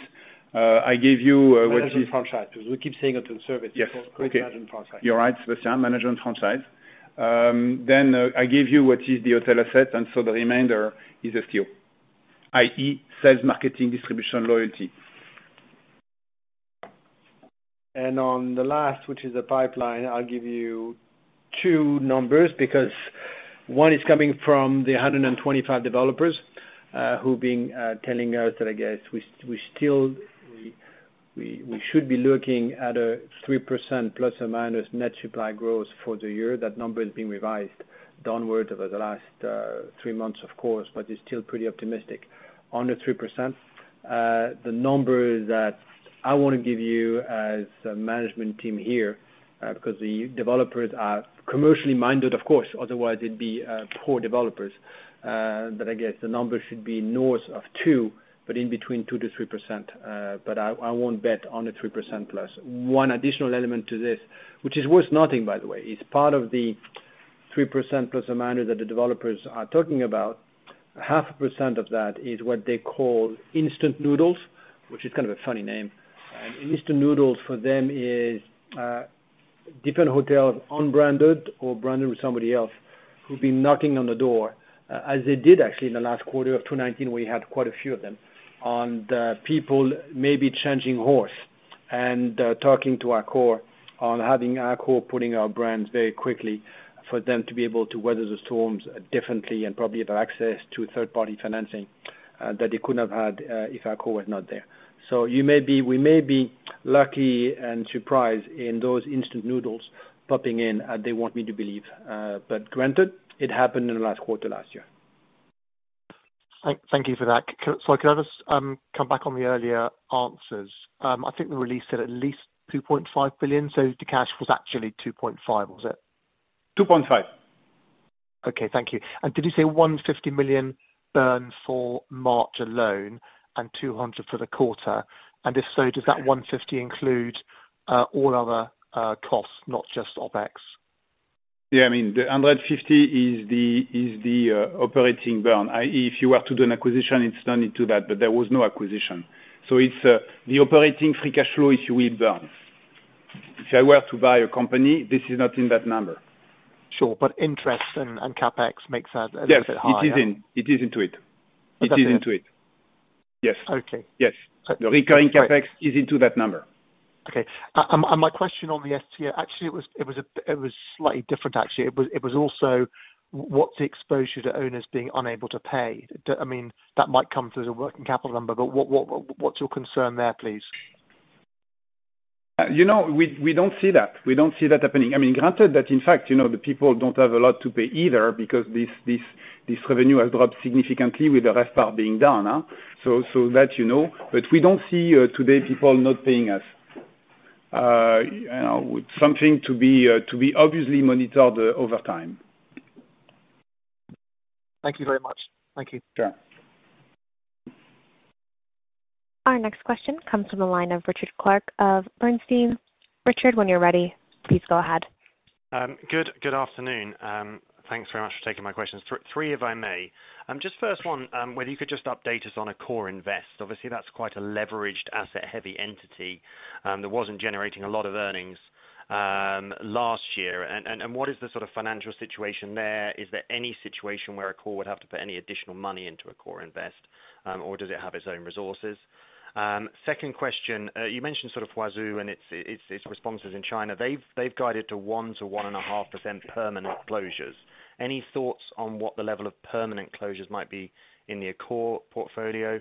I gave you what is. Management franchise. We keep saying hotel service. You're right, Sébastien, management franchise. Then I gave you what is the hotel asset, and so the remainder is STO, i.e., sales, marketing, distribution, loyalty. And on the last, which is the pipeline, I'll give you two numbers because one is coming from the 125 developers who've been telling us that, I guess, we should be looking at a 3% plus or minus net supply growth for the year. That number has been revised downward over the last three months, of course, but it's still pretty optimistic on the 3%. The number that I want to give you as a management team here because the developers are commercially minded, of course, otherwise it'd be poor developers. But I guess the number should be north of 2, but in between 2 to 3%. But I won't bet on the 3% plus. One additional element to this, which is worth noting, by the way, is part of the 3% plus amount that the developers are talking about. Half a percent of that is what they call instant noodles, which is kind of a funny name. Instant noodles for them is different hotels unbranded or branded with somebody else who've been knocking on the door, as they did actually in the last quarter of 2019, where you had quite a few of them, on people maybe changing horse and talking to Accor on having Accor putting our brands very quickly for them to be able to weather the storms differently and probably have access to third-party financing that they couldn't have had if Accor was not there. So we may be lucky and surprised in those instant noodles popping in, they want me to believe. But granted, it happened in the last quarter last year. Thank you for that. So I could just come back on the earlier answers? I think the release said at least 2.5 billion. So the cash was actually 2.5 billion, was it? 2.5. Okay. Thank you. And did you say 150 million burn for March alone and 200 million for the quarter? And if so, does that 150 include all other costs, not just OpEx? Yeah. I mean, the under 50 is the operating burn. If you were to do an acquisition, it's done into that, but there was no acquisition. So it's the operating free cash flow, if you will, burn. If I were to buy a company, this is not in that number. Sure. But interest and CapEx makes that a little bit harder. Yes. It is into it. The recurring CapEx is into that number. Okay, and my question on the STO, actually, it was slightly different, actually. It was also what's the exposure to owners being unable to pay? I mean, that might come through the working capital number, but what's your concern there, please? We don't see that. We don't see that happening. I mean, granted that, in fact, the people don't have a lot to pay either because this revenue has dropped significantly with the RevPAR being down. So that you know. But we don't see today people not paying us. Something to be obviously monitored over time. Thank you very much. Thank you. Sure. Our next question comes from the line of Richard Clarke of Bernstein. Richard, when you're ready, please go ahead. Good afternoon. Thanks very much for taking my questions. Three if I may. Just first one, whether you could just update us on AccorInvest. Obviously, that's quite a leveraged asset-heavy entity that wasn't generating a lot of earnings last year. And what is the sort of financial situation there? Is there any situation where Accor would have to put any additional money into AccorInvest, or does it have its own resources? Second question, you mentioned sort of Huazhu and its responses in China. They've guided to 1%-1.5% permanent closures. Any thoughts on what the level of permanent closures might be in the Accor portfolio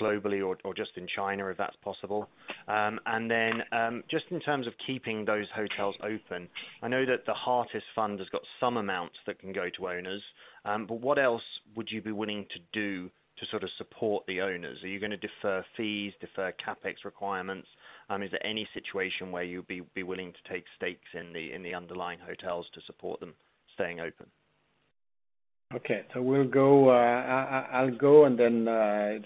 globally or just in China, if that's possible? Then, just in terms of keeping those hotels open, I know that the Heartist Fund has got some amounts that can go to owners, but what else would you be willing to do to sort of support the owners? Are you going to defer fees, defer CapEx requirements? Is there any situation where you'd be willing to take stakes in the underlying hotels to support them staying open? Okay, so I'll go, and then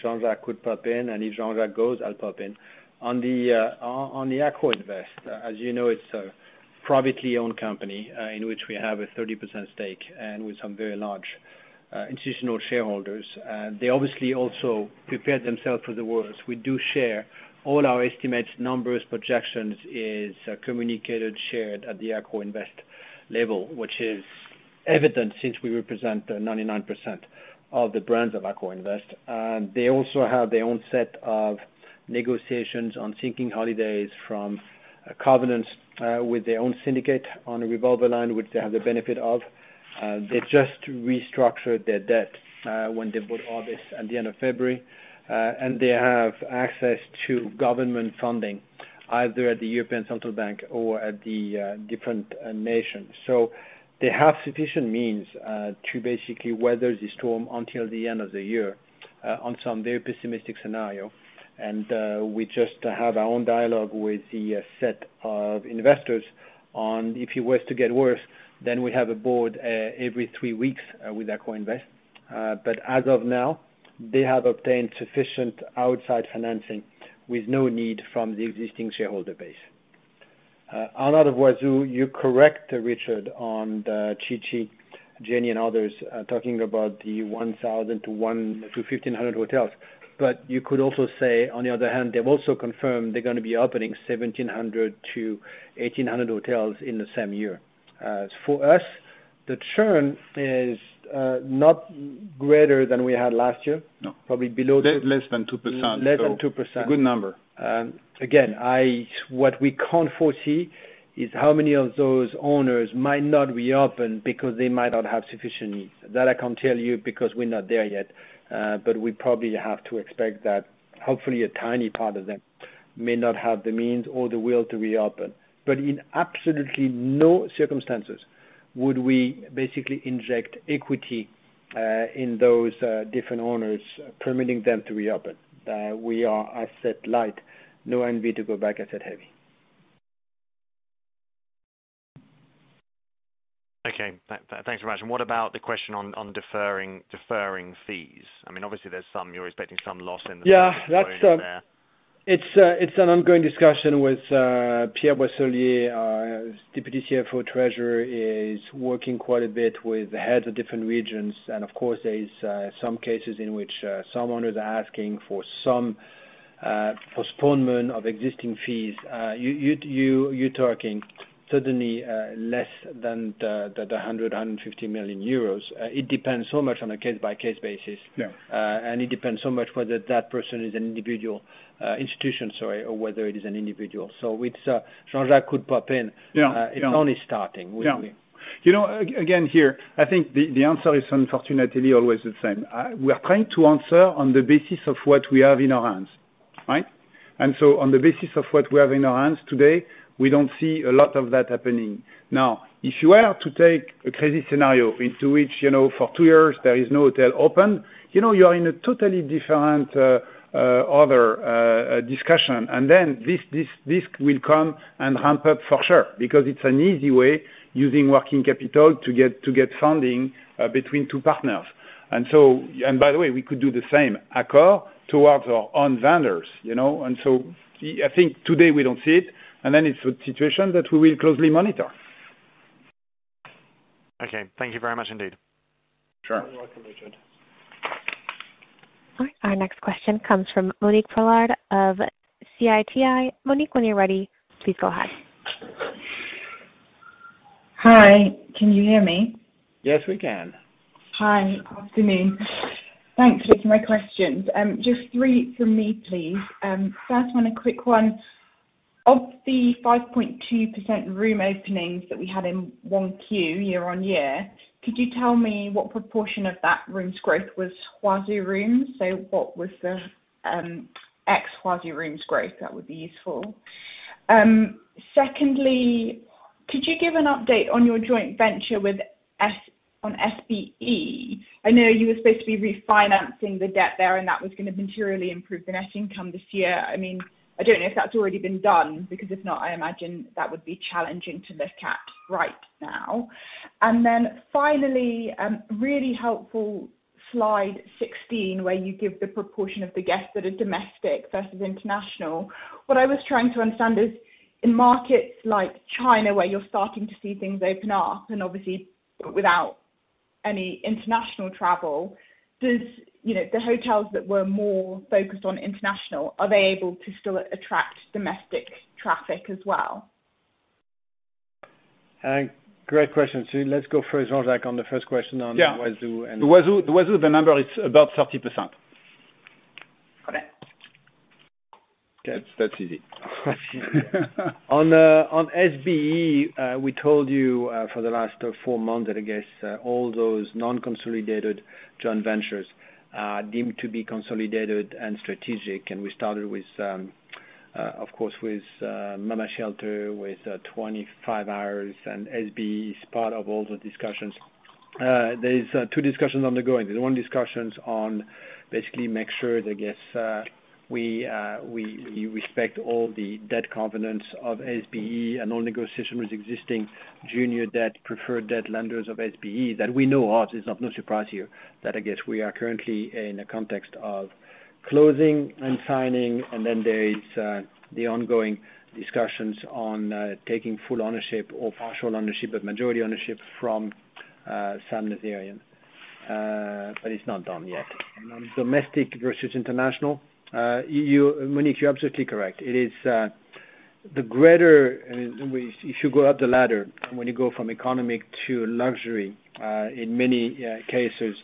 Jean-Jacques could pop in. And if Jean-Jacques goes, I'll pop in. On the AccorInvest, as you know, it's a privately owned company in which we have a 30% stake and with some very large institutional shareholders. They obviously also prepared themselves for the worst. We do share all our estimates. Numbers, projections are communicated, shared at the AccorInvest level, which is evident since we represent 99% of the brands of AccorInvest. They also have their own set of negotiations on seeking holidays from covenants with their own syndicate on the revolver line, which they have the benefit of. They just restructured their debt when they bought Orbis at the end of February. And they have access to government funding, either at the European Central Bank or at the different nations. So they have sufficient means to basically weather the storm until the end of the year on some very pessimistic scenario. And we just have our own dialogue with the set of investors on if it was to get worse, then we have a board every three weeks with AccorInvest. But as of now, they have obtained sufficient outside financing with no need from the existing shareholder base. On that of Huazhu, you're correct, Richard, on Qi Ji, Jenny, and others talking about the 1,000-1,500 hotels. But you could also say, on the other hand, they've also confirmed they're going to be opening 1,700-1,800 hotels in the same year. For us, the churn is not greater than we had last year, probably below. Less than 2%. Less than 2%. A good number. Again, what we can't foresee is how many of those owners might not reopen because they might not have sufficient means. That I can't tell you because we're not there yet. But we probably have to expect that hopefully a tiny part of them may not have the means or the will to reopen. But in absolutely no circumstances would we basically inject equity in those different owners, permitting them to reopen. We are asset-light, no intention to go back asset-heavy. Okay. Thanks very much. And what about the question on deferring fees? I mean, obviously, there's some. You're expecting some loss in the. Yeah. It's an ongoing discussion with Pierre Boisselier. Deputy CFO Treasury is working quite a bit with the heads of different regions. And of course, there are some cases in which some owners are asking for some postponement of existing fees. You're talking suddenly less than 100-150 million euros. It depends so much on a case-by-case basis. And it depends so much whether that person is an individual institution, sorry, or whether it is an individual. So Jean-Jacques could pop in. It's only starting with me. Again, here, I think the answer is unfortunately always the same. We are trying to answer on the basis of what we have in our hands, right? And so on the basis of what we have in our hands today, we don't see a lot of that happening. Now, if you were to take a crazy scenario into which for two years there is no hotel open, you are in a totally different other discussion. And then this will come and ramp up for sure because it's an easy way using working capital to get funding between two partners. And by the way, we could do the same Accor towards our own vendors. And so I think today we don't see it. And then it's a situation that we will closely monitor. Okay. Thank you very much indeed. Sure. You're welcome, Richard. All right. Our next question comes from Monique Pollard of Citi. Monique, when you're ready, please go ahead. Hi. Can you hear me? Yes, we can. Hi. Good afternoon. Thanks for taking my questions. Just three from me, please. First one, a quick one. Of the 5.2% room openings that we had in Q1 year on year, could you tell me what proportion of that rooms growth was Huazhu rooms? So what was the ex-Huazhu rooms growth? That would be useful. Secondly, could you give an update on your joint venture on sbe? I know you were supposed to be refinancing the debt there, and that was going to materially improve the net income this year. I mean, I don't know if that's already been done because if not, I imagine that would be challenging to look at right now. And then finally, really helpful slide 16, where you give the proportion of the guests that are domestic versus international. What I was trying to understand is in markets like China, where you're starting to see things open up and obviously without any international travel, do the hotels that were more focused on international, are they able to still attract domestic traffic as well? Great question. So let's go first, Jean-Jacques, on the first question on Huazhu. The Huazhu, the number is about 30%. Got it. Okay. That's easy. On SBE, we told you for the last four months that, I guess, all those non-consolidated joint ventures deemed to be consolidated and strategic. And we started with, of course, with Mama Shelter with 25hours. And SBE is part of all the discussions. There are two discussions undergoing. There's one discussion on basically making sure, I guess, we respect all the debt covenants of SBE and all negotiations with existing junior debt preferred debt lenders of SBE that we know of. It's not no surprise here that, I guess, we are currently in a context of closing and signing. And then there are the ongoing discussions on taking full ownership or partial ownership, but majority ownership from Sam Nazarian. But it's not done yet. And on domestic versus international, Monique, you're absolutely correct. It is the greater if you go up the ladder when you go from economic to luxury. In many cases,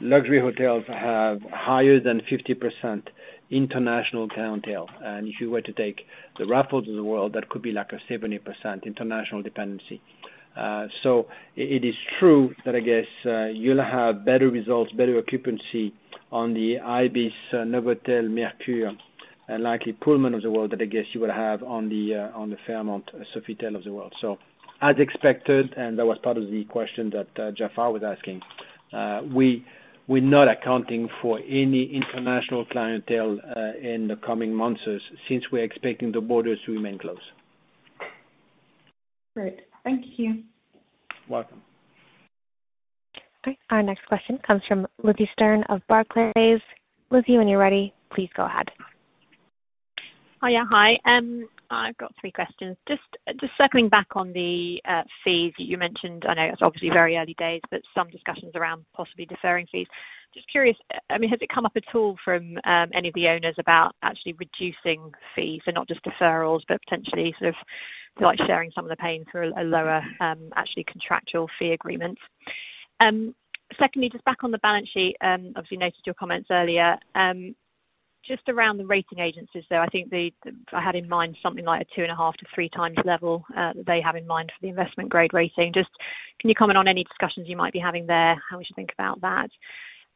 luxury hotels have higher than 50% international clientele. And if you were to take the Raffles of the world, that could be like a 70% international dependency. So it is true that, I guess, you'll have better results, better occupancy on the Ibis, Novotel, Mercure, and likely Pullman of the world that, I guess, you would have on the Fairmont, Sofitel of the world. So as expected, and that was part of the question that Jaafar was asking, we're not accounting for any international clientele in the coming months since we're expecting the borders to remain closed. Great. Thank you. You're welcome. Okay. Our next question comes from Vicki Stern of Barclays. Vicki, when you're ready, please go ahead. Hiya. Hi. I've got three questions. Just circling back on the fees that you mentioned, I know it's obviously very early days, but some discussions around possibly deferring fees. Just curious, I mean, has it come up at all from any of the owners about actually reducing fees and not just deferrals, but potentially sort of sharing some of the pain through a lower actually contractual fee agreement? Secondly, just back on the balance sheet, obviously noted your comments earlier. Just around the rating agencies though, I think I had in mind something like a two and a half to three times level that they have in mind for the investment-grade rating. Just can you comment on any discussions you might be having there, how we should think about that?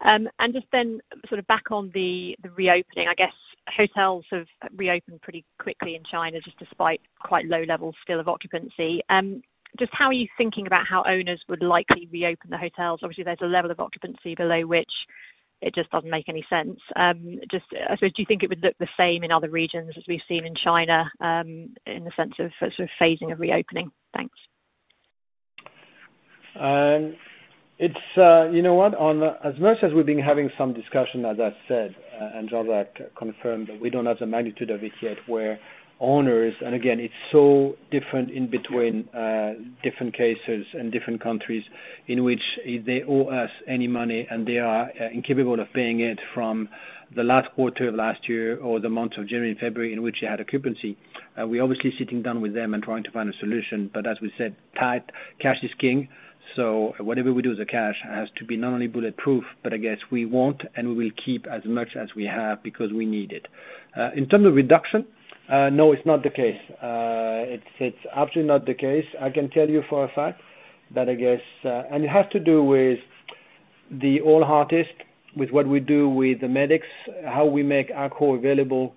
And just then, sort of back on the reopening, I guess, hotels have reopened pretty quickly in China just despite quite low levels still of occupancy. Just how are you thinking about how owners would likely reopen the hotels? Obviously, there's a level of occupancy below which it just doesn't make any sense. Just I suppose, do you think it would look the same in other regions as we've seen in China in the sense of sort of phasing of reopening? Thanks. You know what? As much as we've been having some discussion, as I said, and Jean-Jacques confirmed that we don't have the magnitude of it yet, where owners and again, it's so different in between different cases and different countries in which they owe us any money and they are incapable of paying it from the last quarter of last year or the months of January and February in which they had occupancy. We're obviously sitting down with them and trying to find a solution, but as we said, tight cash is king, so whatever we do with the cash has to be not only bulletproof, but I guess we want and we will keep as much as we have because we need it. In terms of reduction, no, it's not the case. It's absolutely not the case. I can tell you for a fact that, I guess, and it has to do with the ALL Heartist, with what we do with the medics, how we make Accor available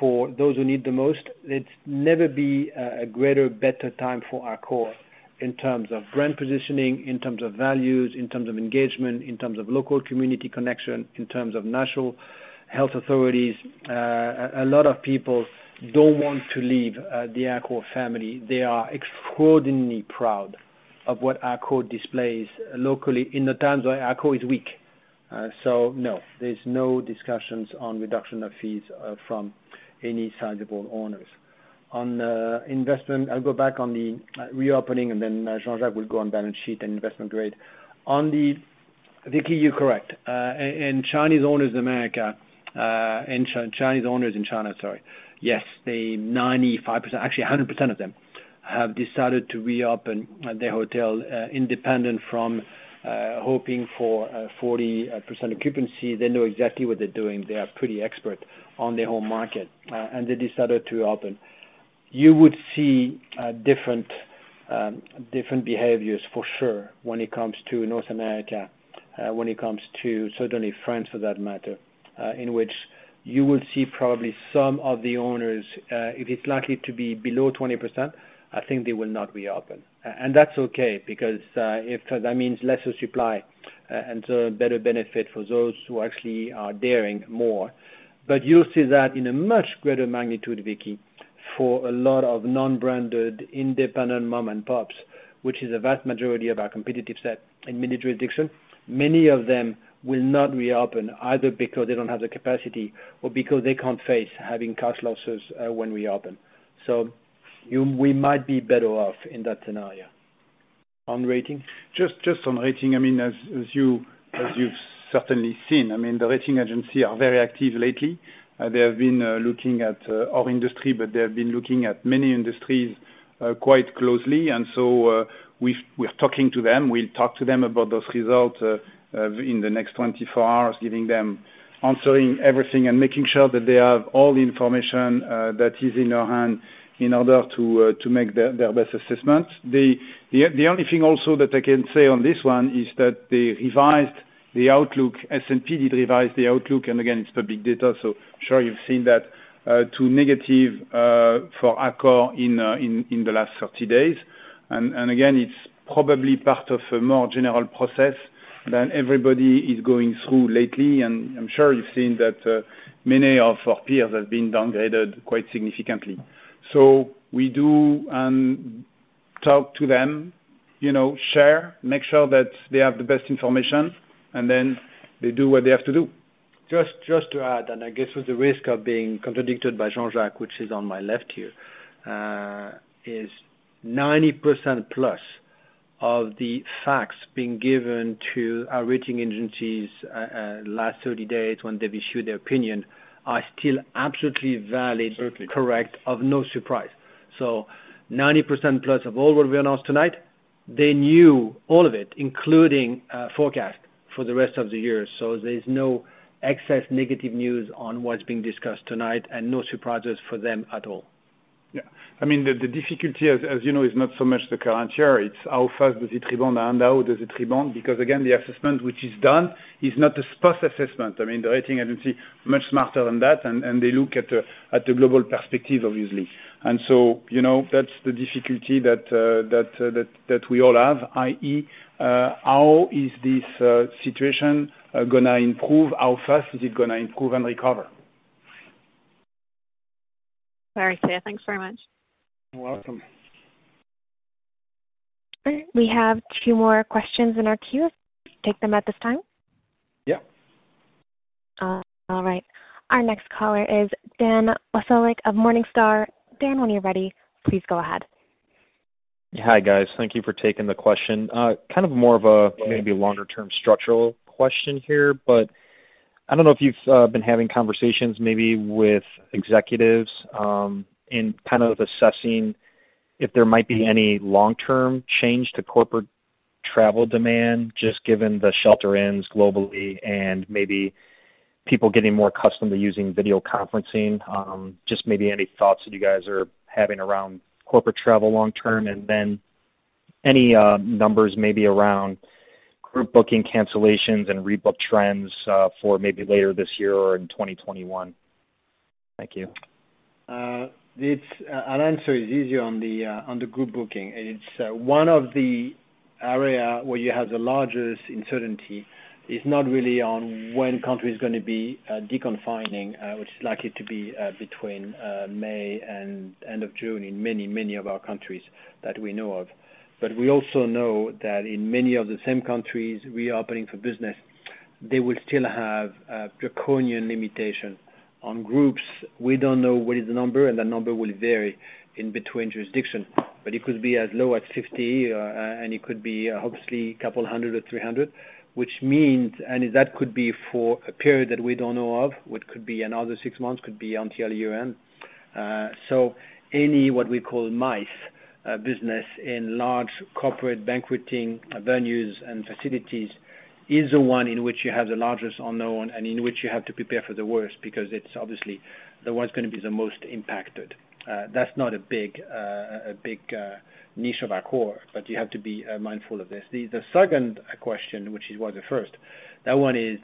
for those who need the most. It's never been a greater, better time for Accor in terms of brand positioning, in terms of values, in terms of engagement, in terms of local community connection, in terms of national health authorities. A lot of people don't want to leave the Accor family. They are extraordinarily proud of what Accor displays locally in the times where Accor is weak. So no, there's no discussions on reduction of fees from any sizable owners. On investment, I'll go back on the reopening, and then Jean-Jacques will go on balance sheet and investment grade. On the Vicki, you're correct. And Chinese owners in America and Chinese owners in China, sorry. Yes, the 95%, actually, 100% of them have decided to reopen their hotel independent from hoping for 40% occupancy. They know exactly what they're doing. They are pretty expert on their whole market, and they decided to reopen. You would see different behaviors for sure when it comes to North America, when it comes to certainly France for that matter, in which you will see probably some of the owners, if it's likely to be below 20%, I think they will not reopen, and that's okay because that means lesser supply and better benefit for those who actually are daring more, but you'll see that in a much greater magnitude, Vicki, for a lot of non-branded independent mom and pops, which is a vast majority of our competitive set in virtually all jurisdictions. Many of them will not reopen either because they don't have the capacity or because they can't face having cash losses when we open. So we might be better off in that scenario. On rating? Just on rating, I mean, as you've certainly seen, I mean, the rating agencies are very active lately. They have been looking at our industry, but they have been looking at many industries quite closely, and so we're talking to them. We'll talk to them about those results in the next 24 hours, giving them, answering everything and making sure that they have all the information that is in their hand in order to make their best assessment. The only thing also that I can say on this one is that they revised the outlook. S&P did revise the outlook, and again, it's public data. So, sure, you've seen that, too, negative for Accor in the last 30 days. And again, it's probably part of a more general process than everybody is going through lately. And I'm sure you've seen that many of our peers have been downgraded quite significantly. So we do and talk to them, share, make sure that they have the best information, and then they do what they have to do. Just to add, and I guess with the risk of being contradicted by Jean-Jacques, which is on my left here, is 90% plus of the facts being given to our rating agencies last 30 days when they've issued their opinion are still absolutely valid, correct, of no surprise. So 90% plus of all what we announced tonight, they knew all of it, including forecast for the rest of the year. So there's no excess negative news on what's being discussed tonight and no surprises for them at all. Yeah. I mean, the difficulty, as you know, is not so much the current year. It's how fast does it rebound and how does it rebound? Because again, the assessment which is done is not a sparse assessment. I mean, the rating agency is much smarter than that, and they look at the global perspective, obviously. And so that's the difficulty that we all have, i.e., how is this situation going to improve? How fast is it going to improve and recover? Very clear. Thanks very much. You're welcome. All right. We have two more questions in our queue. Take them at this time. Yeah. All right. Our next caller is Dan Wasiolek of Morningstar. Dan, when you're ready, please go ahead. Hi, guys. Thank you for taking the question. Kind of more of a maybe longer-term structural question here, but I don't know if you've been having conversations maybe with executives in kind of assessing if there might be any long-term change to corporate travel demand just given the shelter-in-place ends globally and maybe people getting more accustomed to using video conferencing. Just maybe any thoughts that you guys are having around corporate travel long-term and then any numbers maybe around group booking cancellations and rebook trends for maybe later this year or in 2021. Thank you. An answer is easy on the group booking. It's one of the areas where you have the largest uncertainty. It's not really on when countries are going to be deconfining, which is likely to be between May and end of June in many, many of our countries that we know of. But we also know that in many of the same countries reopening for business, they will still have draconian limitations on groups. We don't know what is the number, and that number will vary in between jurisdictions. But it could be as low as 50, and it could be hopefully a couple of hundred or 300, which means that could be for a period that we don't know of, which could be another six months, could be until year-end. So any what we call MICE business in large corporate banqueting venues and facilities is the one in which you have the largest unknown and in which you have to prepare for the worst because it's obviously the one that's going to be the most impacted. That's not a big niche of Accor, but you have to be mindful of this. The second question, which is why the first, that one is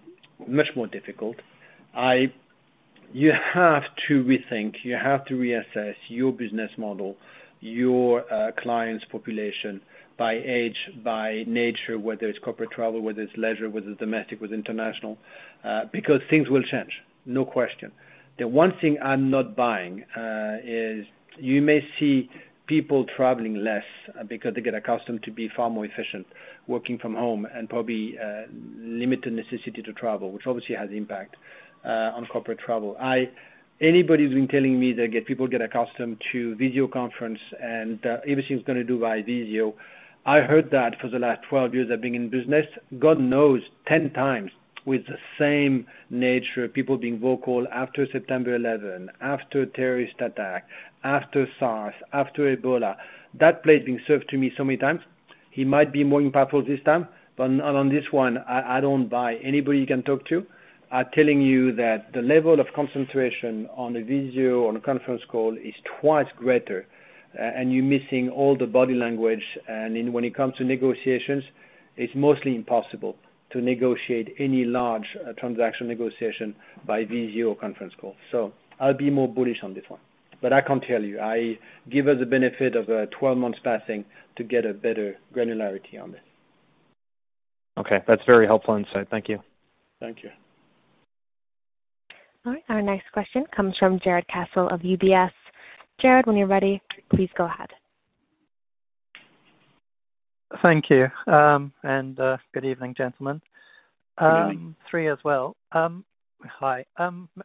much more difficult. You have to rethink. You have to reassess your business model, your clients' population by age, by nature, whether it's corporate travel, whether it's leisure, whether it's domestic, whether it's international, because things will change. No question. The one thing I'm not buying is you may see people traveling less because they get accustomed to be far more efficient working from home and probably limited necessity to travel, which obviously has impact on corporate travel. Anybody who's been telling me that people get accustomed to video conference and everything's going to do by video. I heard that for the last 12 years I've been in business. God knows 10 times with the same nature, people being vocal after September 11, after terrorist attack, after SARS, after Ebola. That plate being served to me so many times. It might be more impactful this time, but on this one, I don't buy anybody you can talk to. I'm telling you that the level of concentration on a video or a conference call is twice greater, and you're missing all the body language, and when it comes to negotiations, it's mostly impossible to negotiate any large transaction negotiation by video or conference call, so I'll be more bullish on this one, but I can't tell you. Give us the benefit of 12 months passing to get a better granularity on this. Okay. That's very helpful insight. Thank you. Thank you. All right. Our next question comes from Jarrod Castle of UBS. Jarrod, when you're ready, please go ahead. Thank you. Good evening, gentlemen. Good evening. Three as well. Hi.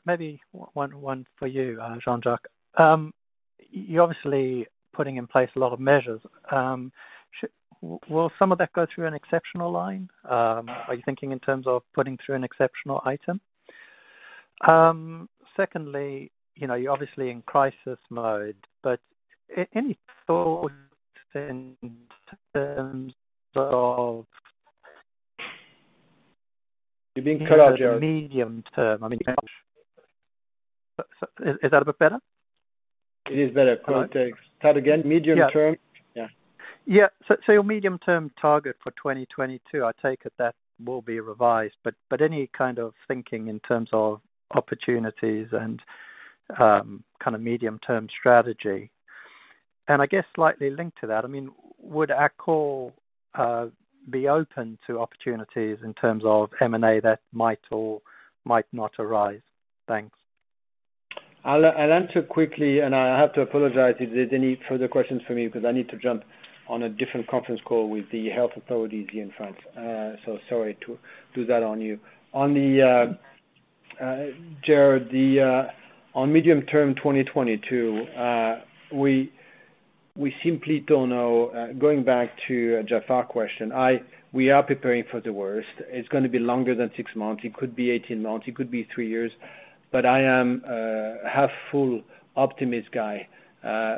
Maybe one for you, Jean-Jacques. You're obviously putting in place a lot of measures. Will some of that go through an exceptional line? Are you thinking in terms of putting through an exceptional item? Secondly, you're obviously in crisis mode, but any thoughts in terms of. You're being cut out, Jarrod. Medium term. I mean. Is that a bit better? It is better. Sorry, again, medium term. Yeah. Yeah. So your medium-term target for 2022, I take it that will be revised, but any kind of thinking in terms of opportunities and kind of medium-term strategy? And I guess slightly linked to that, I mean, would Accor be open to opportunities in terms of M&A that might or might not arise? Thanks. I'll answer quickly, and I have to apologize if there's any further questions for me because I need to jump on a different conference call with the health authorities here in France. So sorry to do that on you. On medium-term 2022, we simply don't know. Going back to Jaafar's question, we are preparing for the worst. It's going to be longer than six months. It could be 18 months. It could be three years. But I am a half-full optimist guy.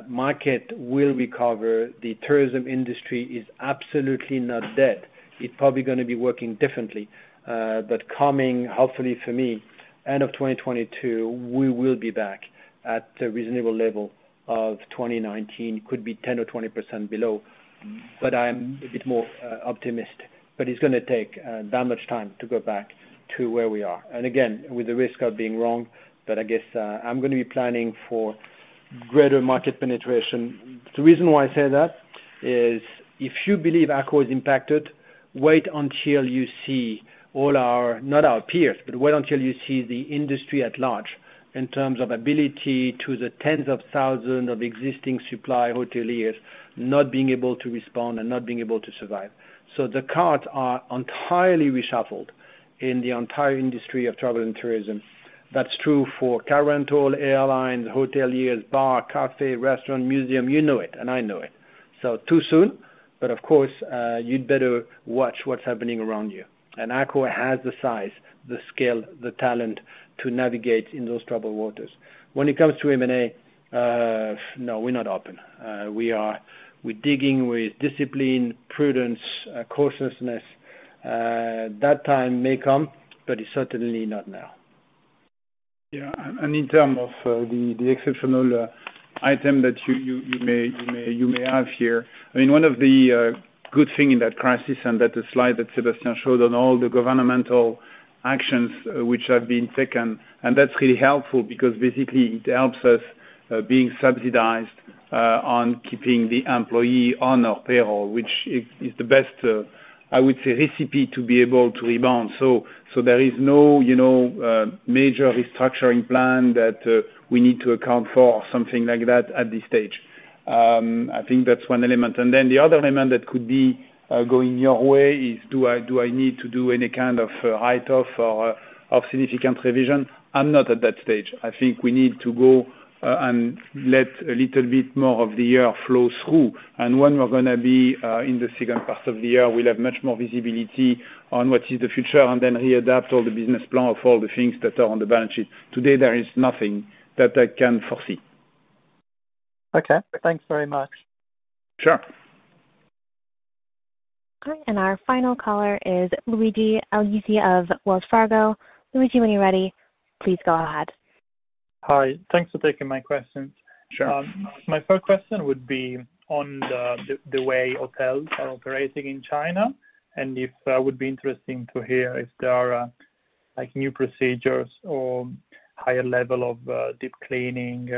Market will recover. The tourism industry is absolutely not dead. It's probably going to be working differently. But coming, hopefully for me, end of 2022, we will be back at a reasonable level of 2019. It could be 10% or 20% below, but I'm a bit more optimistic. But it's going to take that much time to go back to where we are. And again, with the risk of being wrong, but I guess I'm going to be planning for greater market penetration. The reason why I say that is if you believe Accor is impacted, wait until you see all our not our peers, but wait until you see the industry at large in terms of ability to the tens of thousands of existing supply hoteliers not being able to respond and not being able to survive. So the cards are entirely reshuffled in the entire industry of travel and tourism. That's true for car rental airlines, hoteliers, bar, café, restaurant, museum. You know it, and I know it. So too soon, but of course, you'd better watch what's happening around you. And Accor has the size, the skill, the talent to navigate in those troubled waters. When it comes to M&A, no, we're not open. We're digging with discipline, prudence, cautiousness. That time may come, but it's certainly not now. Yeah. And in terms of the exceptional item that you may have here, I mean, one of the good things in that crisis and that the slide that Sébastien showed on all the governmental actions which have been taken, and that's really helpful because basically it helps us being subsidized on keeping the employee on our payroll, which is the best, I would say, recipe to be able to rebound. So there is no major restructuring plan that we need to account for or something like that at this stage. I think that's one element. And then the other element that could be going your way is do I need to do any kind of write-off or significant revision? I'm not at that stage. I think we need to go and let a little bit more of the year flow through. When we're going to be in the second part of the year, we'll have much more visibility on what is the future and then readapt all the business plan of all the things that are on the balance sheet. Today, there is nothing that I can foresee. Okay. Thanks very much. Sure. All right. And our final caller is Luigi Algisi of Wells Fargo. Luigi, when you're ready, please go ahead. Hi. Thanks for taking my questions. My first question would be on the way hotels are operating in China, and if I would be interested to hear if there are new procedures or higher level of deep cleaning,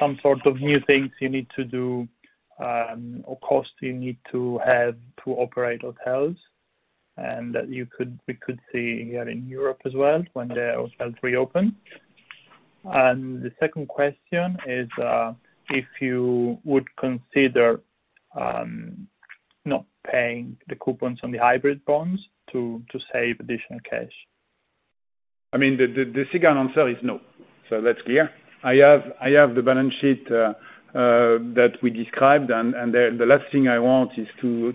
some sort of new things you need to do or costs you need to have to operate hotels, and that we could see here in Europe as well when the hotels reopen. And the second question is if you would consider not paying the coupons on the hybrid bonds to save additional cash. I mean, the second answer is no. So that's clear. I have the balance sheet that we described, and the last thing I want is to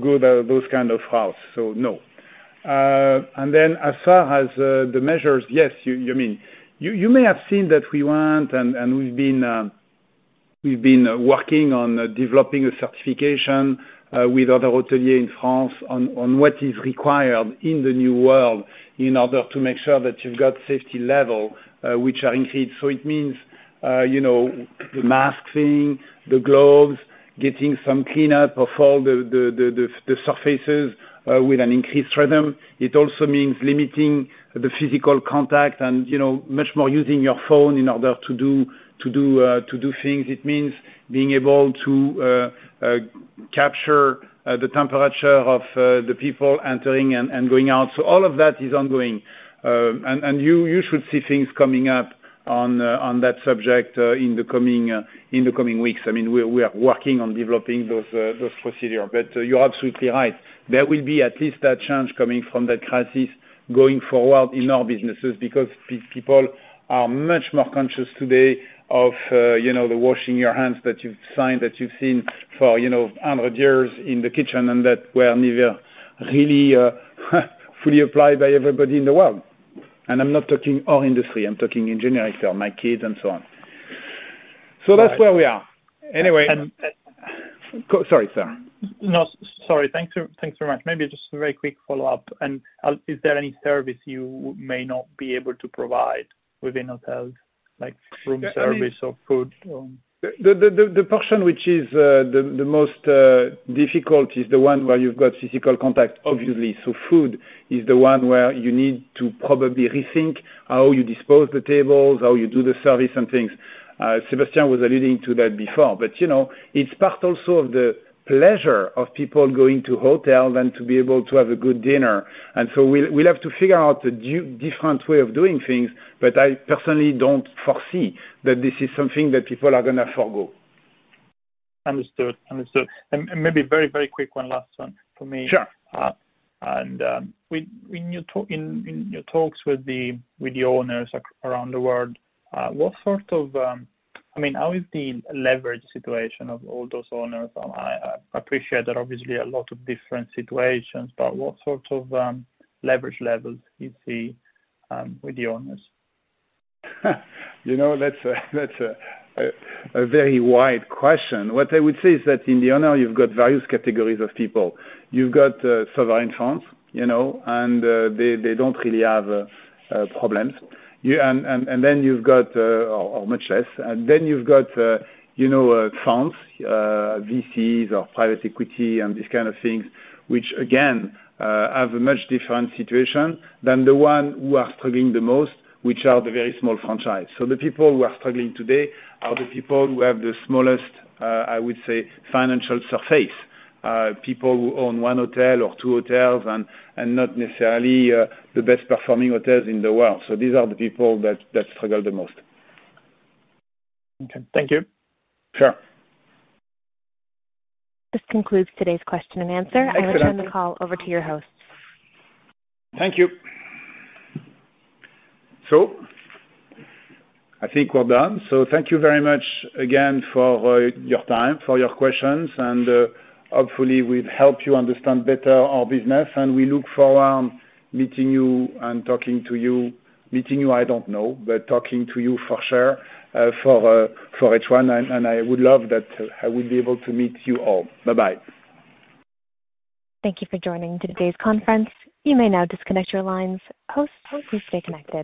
go those kind of routes. So no. And then as far as the measures, yes, you mean. You may have seen that we want, and we've been working on developing a certification with other hoteliers in France on what is required in the new world in order to make sure that you've got safety levels which are increased. So it means the mask thing, the gloves, getting some cleanup of all the surfaces with an increased rhythm. It also means limiting the physical contact and much more using your phone in order to do things. It means being able to capture the temperature of the people entering and going out. So all of that is ongoing. You should see things coming up on that subject in the coming weeks. I mean, we are working on developing those procedures. You're absolutely right. There will be at least that change coming from that crisis going forward in our businesses because people are much more conscious today of the washing your hands signage that you've seen for 100 years in the kitchen and that were never really fully applied by everybody in the world. I'm not talking our industry. I'm talking in generic terms, my kids and so on. That's where we are. Anyway. Sorry, sir. No, sorry. Thanks very much. Maybe just a very quick follow-up, and is there any service you may not be able to provide within hotels, like room service or food? The portion which is the most difficult is the one where you've got physical contact, obviously. So food is the one where you need to probably rethink how you dispose of the tables, how you do the service and things. Sébastien was alluding to that before, but it's part also of the pleasure of people going to hotels and to be able to have a good dinner, and so we'll have to figure out a different way of doing things, but I personally don't foresee that this is something that people are going to forego. Understood. Understood. And maybe a very, very quick one last one for me. Sure. In your talks with the owners around the world, what sort of I mean, how is the leverage situation of all those owners? I appreciate that obviously a lot of different situations, but what sort of leverage levels do you see with the owners? That's a very wide question. What I would say is that in the industry, you've got various categories of people. You've got sovereign funds, and they don't really have problems. And then you've got, or much less, then you've got funds, VCs or private equity and these kind of things, which again have a much different situation than the one who are struggling the most, which are the very small franchises. So the people who are struggling today are the people who have the smallest, I would say, financial resources, people who own one hotel or two hotels and not necessarily the best-performing hotels in the world. So these are the people that struggle the most. Okay. Thank you. Sure. This concludes today's question and answer. Excellent. I will turn the call over to your hosts. Thank you. So I think we're done. So thank you very much again for your time, for your questions, and hopefully we've helped you understand better our business, and we look forward to meeting you and talking to you. Meeting you, I don't know, but talking to you for sure for each one, and I would love that I would be able to meet you all. Bye-bye. Thank you for joining today's conference. You may now disconnect your lines. Host, please stay connected.